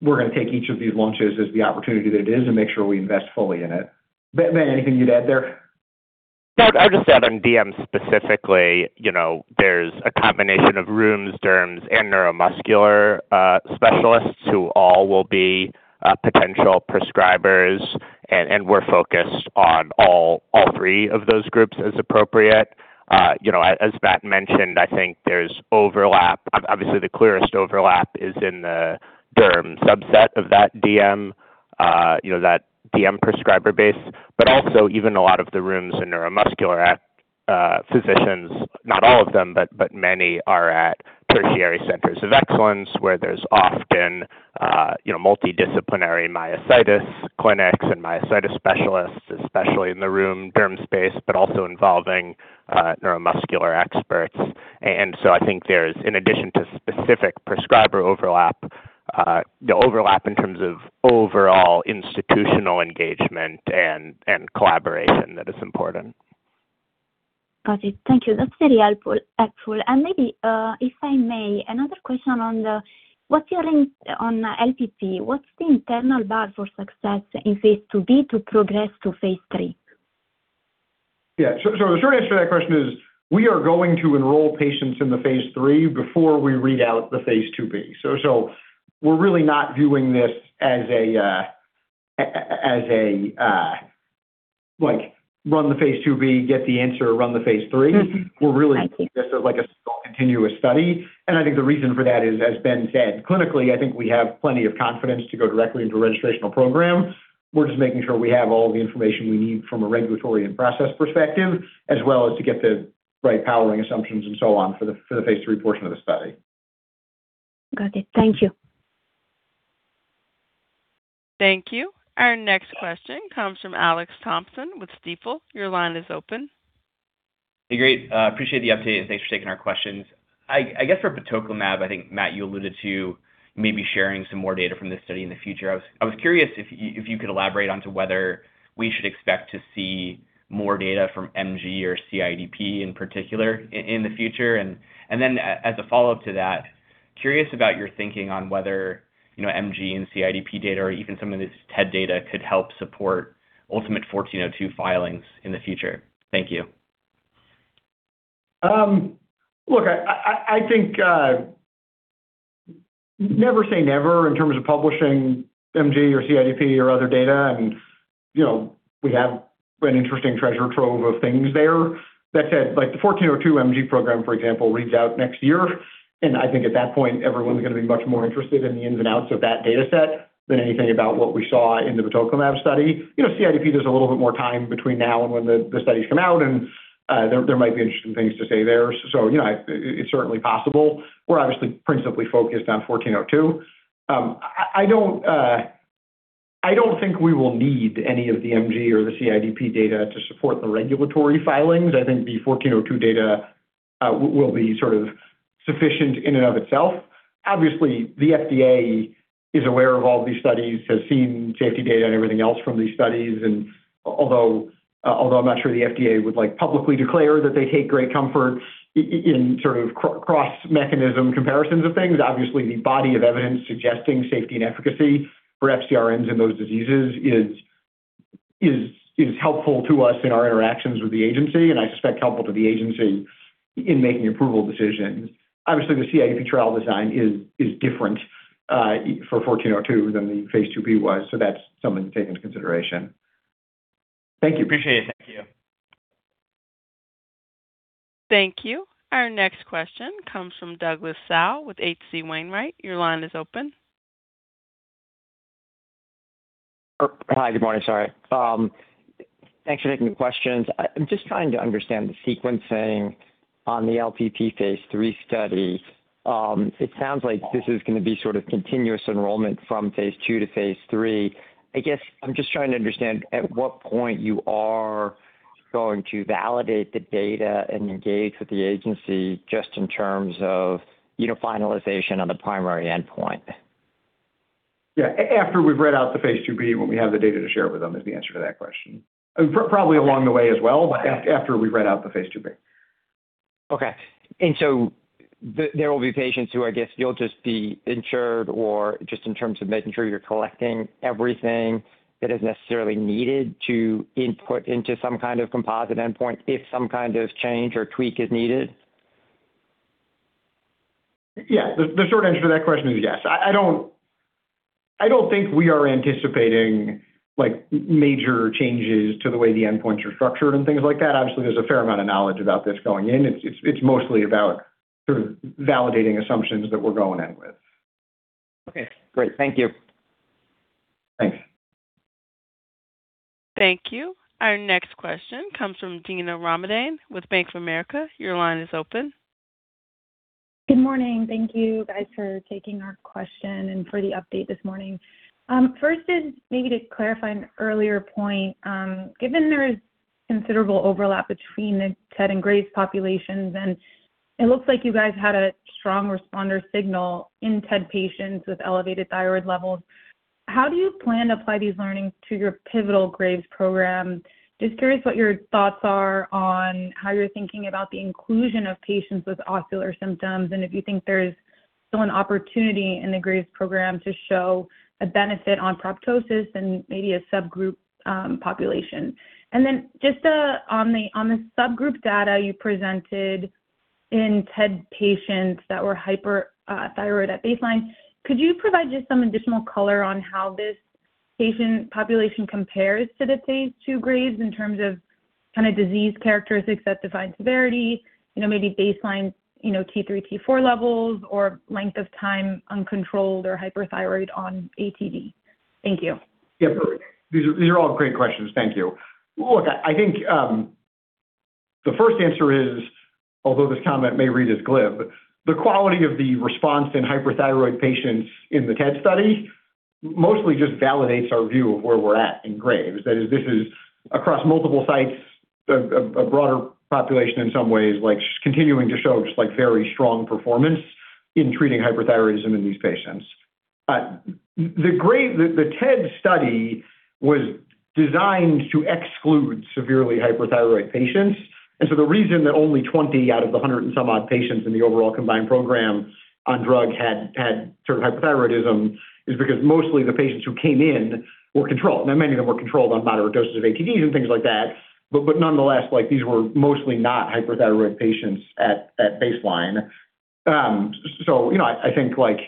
Speaker 3: We're gonna take each of these launches as the opportunity that it is and make sure we invest fully in it. Ben, anything you'd add there?
Speaker 4: No. I'd just add on DM specifically. You know, there's a combination of rheums, derms, and neuromuscular specialists who all will be potential prescribers, and we're focused on all three of those groups as appropriate. You know, as Matt mentioned, I think there's overlap. Obviously, the clearest overlap is in the derm subset of that DM, you know, that DM prescriber base. But also even a lot of the rheums and neuromuscular physicians, not all of them, but many are at tertiary centers of excellence, where there's often, you know, multidisciplinary myositis clinics and myositis specialists, especially in the rheum/derm space, but also involving neuromuscular experts. I think there's, in addition to specific prescriber overlap, the overlap in terms of overall institutional engagement and collaboration that is important.
Speaker 15: Got it. Thank you. That's very helpful. Maybe, if I may, another question. What's your lens on LPP? What's the internal bar for success in phase II-B to progress to phase III?
Speaker 3: Yeah. The short answer to that question is we are going to enroll patients in the phase III before we read out the phase II-B. We're really not doing this as, like, run the phase II-B, get the answer, run the phase III.
Speaker 15: Mm-hmm. Thank you.
Speaker 3: We're really looking at this as like a single continuous study. I think the reason for that is, as Ben said, clinically, I think we have plenty of confidence to go directly into a registrational program. We're just making sure we have all the information we need from a regulatory and process perspective, as well as to get the right powering assumptions and so on for the phase III portion of the study.
Speaker 15: Got it. Thank you.
Speaker 1: Thank you. Our next question comes from Alex Thompson with Stifel. Your line is open.
Speaker 16: Hey, great. Appreciate the update, and thanks for taking our questions. I guess for batoclimab, I think, Matt, you alluded to maybe sharing some more data from this study in the future. I was curious if you could elaborate on whether we should expect to see more data from MG or CIDP in particular in the future. Then as a follow-up to that, I'm curious about your thinking on whether, you know, MG and CIDP data or even some of this TED data could help support 1402 filings in the future. Thank you.
Speaker 3: Look, I think never say never in terms of publishing MG or CIDP or other data and, you know, we have an interesting treasure trove of things there. That said, like, the 1402 MG program, for example, reads out next year, and I think at that point, everyone's gonna be much more interested in the ins and outs of that data set than anything about what we saw in the batoclimab study. You know, CIDP, there's a little bit more time between now and when the studies come out, and there might be interesting things to say there. So, you know, it's certainly possible. We're obviously principally focused on 1402. I don't think we will need any of the MG or the CIDP data to support the regulatory filings. I think the 1402 data will be sort of sufficient in and of itself. Obviously, the FDA is aware of all these studies, has seen safety data and everything else from these studies. Although I'm not sure the FDA would like publicly declare that they take great comfort in sort of cross mechanism comparisons of things, obviously, the body of evidence suggesting safety and efficacy for FcRns in those diseases is helpful to us in our interactions with the agency, and I suspect helpful to the agency in making approval decisions. Obviously, the CAD trial design is different for 1402 than the phase II-B was, so that's something to take into consideration. Thank you.
Speaker 16: Appreciate it. Thank you.
Speaker 1: Thank you. Our next question comes from Douglas Tsao with H.C. Wainwright. Your line is open.
Speaker 17: Oh, hi, good morning. Sorry. Thanks for taking the questions. I'm just trying to understand the sequencing on the LPP phase III study. It sounds like this is gonna be sort of continuous enrollment from phase II to phase III. I guess I'm just trying to understand at what point you are going to validate the data and engage with the agency just in terms of, you know, finalization on the primary endpoint.
Speaker 3: Yeah. After we've read out the phase II-B, when we have the data to share with them, is the answer to that question. Probably along the way as well, but after we read out the phase II-B.
Speaker 17: Okay. There will be patients who, I guess, you'll just be insured or just in terms of making sure you're collecting everything that is necessarily needed to input into some kind of composite endpoint if some kind of change or tweak is needed.
Speaker 3: Yeah. The short answer to that question is yes. I don't think we are anticipating, like, major changes to the way the endpoints are structured and things like that. Obviously, there's a fair amount of knowledge about this going in. It's mostly about sort of validating assumptions that we're going in with.
Speaker 17: Okay, great. Thank you.
Speaker 3: Thanks.
Speaker 1: Thank you. Our next question comes from Dina Ramadan with Bank of America. Your line is open.
Speaker 18: Good morning. Thank you guys for taking our question and for the update this morning. First is maybe to clarify an earlier point. Given there is considerable overlap between the TED and Graves populations, and it looks like you guys had a strong responder signal in TED patients with elevated thyroid levels, how do you plan to apply these learnings to your pivotal Graves program? Just curious what your thoughts are on how you're thinking about the inclusion of patients with ocular symptoms and if you think there's still an opportunity in the Graves program to show a benefit on proptosis and maybe a subgroup population. Just on the subgroup data you presented in TED patients that were hyperthyroid at baseline, could you provide just some additional color on how this patient population compares to the phase II Graves' disease in terms of kind of disease characteristics that define severity, you know, maybe baseline, you know, T3, T4 levels, or length of time uncontrolled or hyperthyroid on ATD? Thank you.
Speaker 3: Yeah. These are all great questions. Thank you. Look, I think the first answer is, although this comment may read as glib, the quality of the response in hyperthyroid patients in the TED study mostly just validates our view of where we're at in Graves. That is, this is across multiple sites, a broader population in some ways, like, continuing to show just, like, very strong performance in treating hyperthyroidism in these patients. The TED study was designed to exclude severely hyperthyroid patients. The reason that only 20 out of the 100 and some odd patients in the overall combined program on drug had sort of hyperthyroidism is because mostly the patients who came in were controlled. Many of them were controlled on moderate doses of ATDs and things like that, but nonetheless, like, these were mostly not hyperthyroid patients at baseline. You know, I think, like,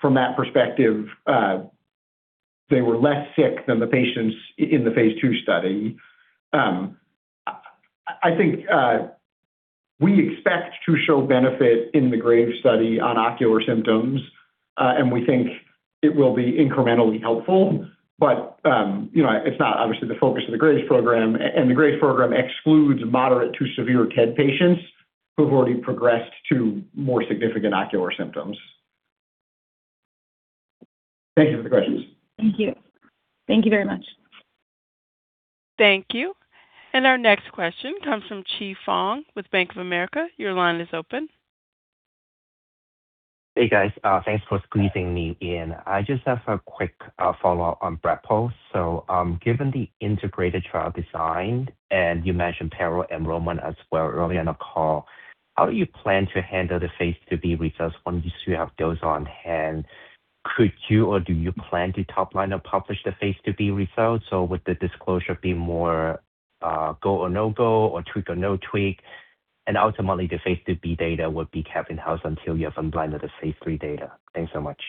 Speaker 3: from that perspective, they were less sick than the patients in the phase II study. I think we expect to show benefit in the Graves study on ocular symptoms, and we think it will be incrementally helpful. You know, it's not obviously the focus of the Graves program and the Graves program excludes moderate to severe TED patients who've already progressed to more significant ocular symptoms. Thank you for the questions.
Speaker 18: Thank you. Thank you very much.
Speaker 1: Thank you. Our next question comes from Chi Fong with Bank of America. Your line is open.
Speaker 19: Hey, guys. Thanks for squeezing me in. I just have a quick follow-up on brepo. Given the integrated trial design, and you mentioned parallel enrollment as well early in the call, how do you plan to handle the phase II-B results once you have those on hand? Could you or do you plan to top line or publish the phase II-B results, or would the disclosure be more go or no-go or tweak or no tweak, and ultimately the phase II-B data would be kept in-house until you have unblinded the phase III data? Thanks so much.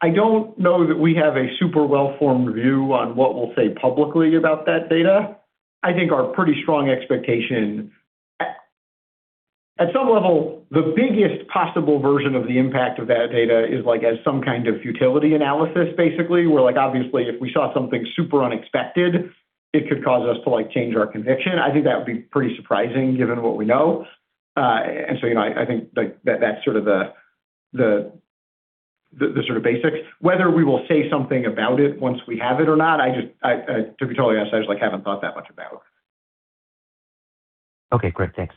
Speaker 3: I don't know that we have a super well-formed view on what we'll say publicly about that data. I think our pretty strong expectation. At some level, the biggest possible version of the impact of that data is, like, as some kind of futility analysis, basically, where, like, obviously, if we saw something super unexpected, it could cause us to, like, change our conviction. I think that would be pretty surprising given what we know. You know, I think, like, that's sort of the sort of basics. Whether we will say something about it once we have it or not, I just, to be totally honest, I just, like, haven't thought that much about.
Speaker 19: Okay, great. Thanks.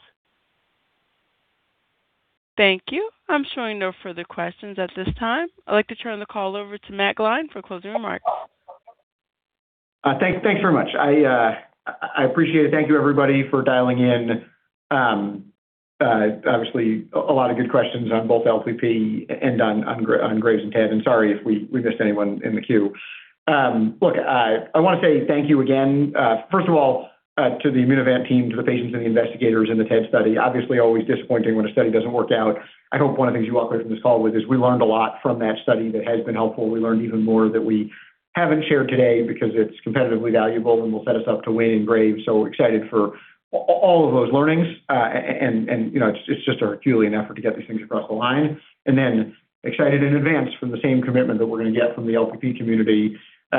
Speaker 1: Thank you. I'm showing no further questions at this time. I'd like to turn the call over to Matt Gline for closing remarks.
Speaker 3: Thanks very much. I appreciate it. Thank you, everybody for dialing in. Obviously a lot of good questions on both LPP and on Graves and TED, and sorry if we missed anyone in the queue. Look, I wanna say thank you again, first of all, to the Immunovant team, to the patients and the investigators in the TED study. Obviously, always disappointing when a study doesn't work out. I hope one of the things you walk away from this call with is we learned a lot from that study that has been helpful. We learned even more that we haven't shared today because it's competitively valuable and will set us up to win in Graves. We're excited for all of those learnings. You know, it's just our Herculean effort to get these things across the line. Excited in advance from the same commitment that we're gonna get from the LPP community,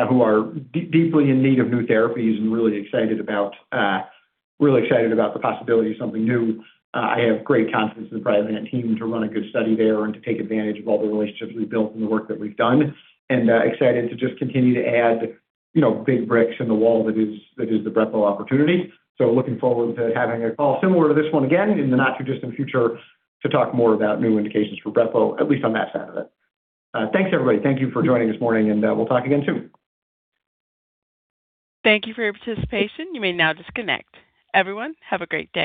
Speaker 3: who are deeply in need of new therapies and really excited about the possibility of something new. I have great confidence in the Priovant team to run a good study there and to take advantage of all the relationships we've built and the work that we've done. Excited to just continue to add, you know, big bricks in the wall that is the brepo opportunity. Looking forward to having a call similar to this one again in the not too distant future to talk more about new indications for brepo, at least on that side of it. Thanks, everybody. Thank you for joining this morning, and we'll talk again soon.
Speaker 1: Thank you for your participation. You may now disconnect. Everyone, have a great day.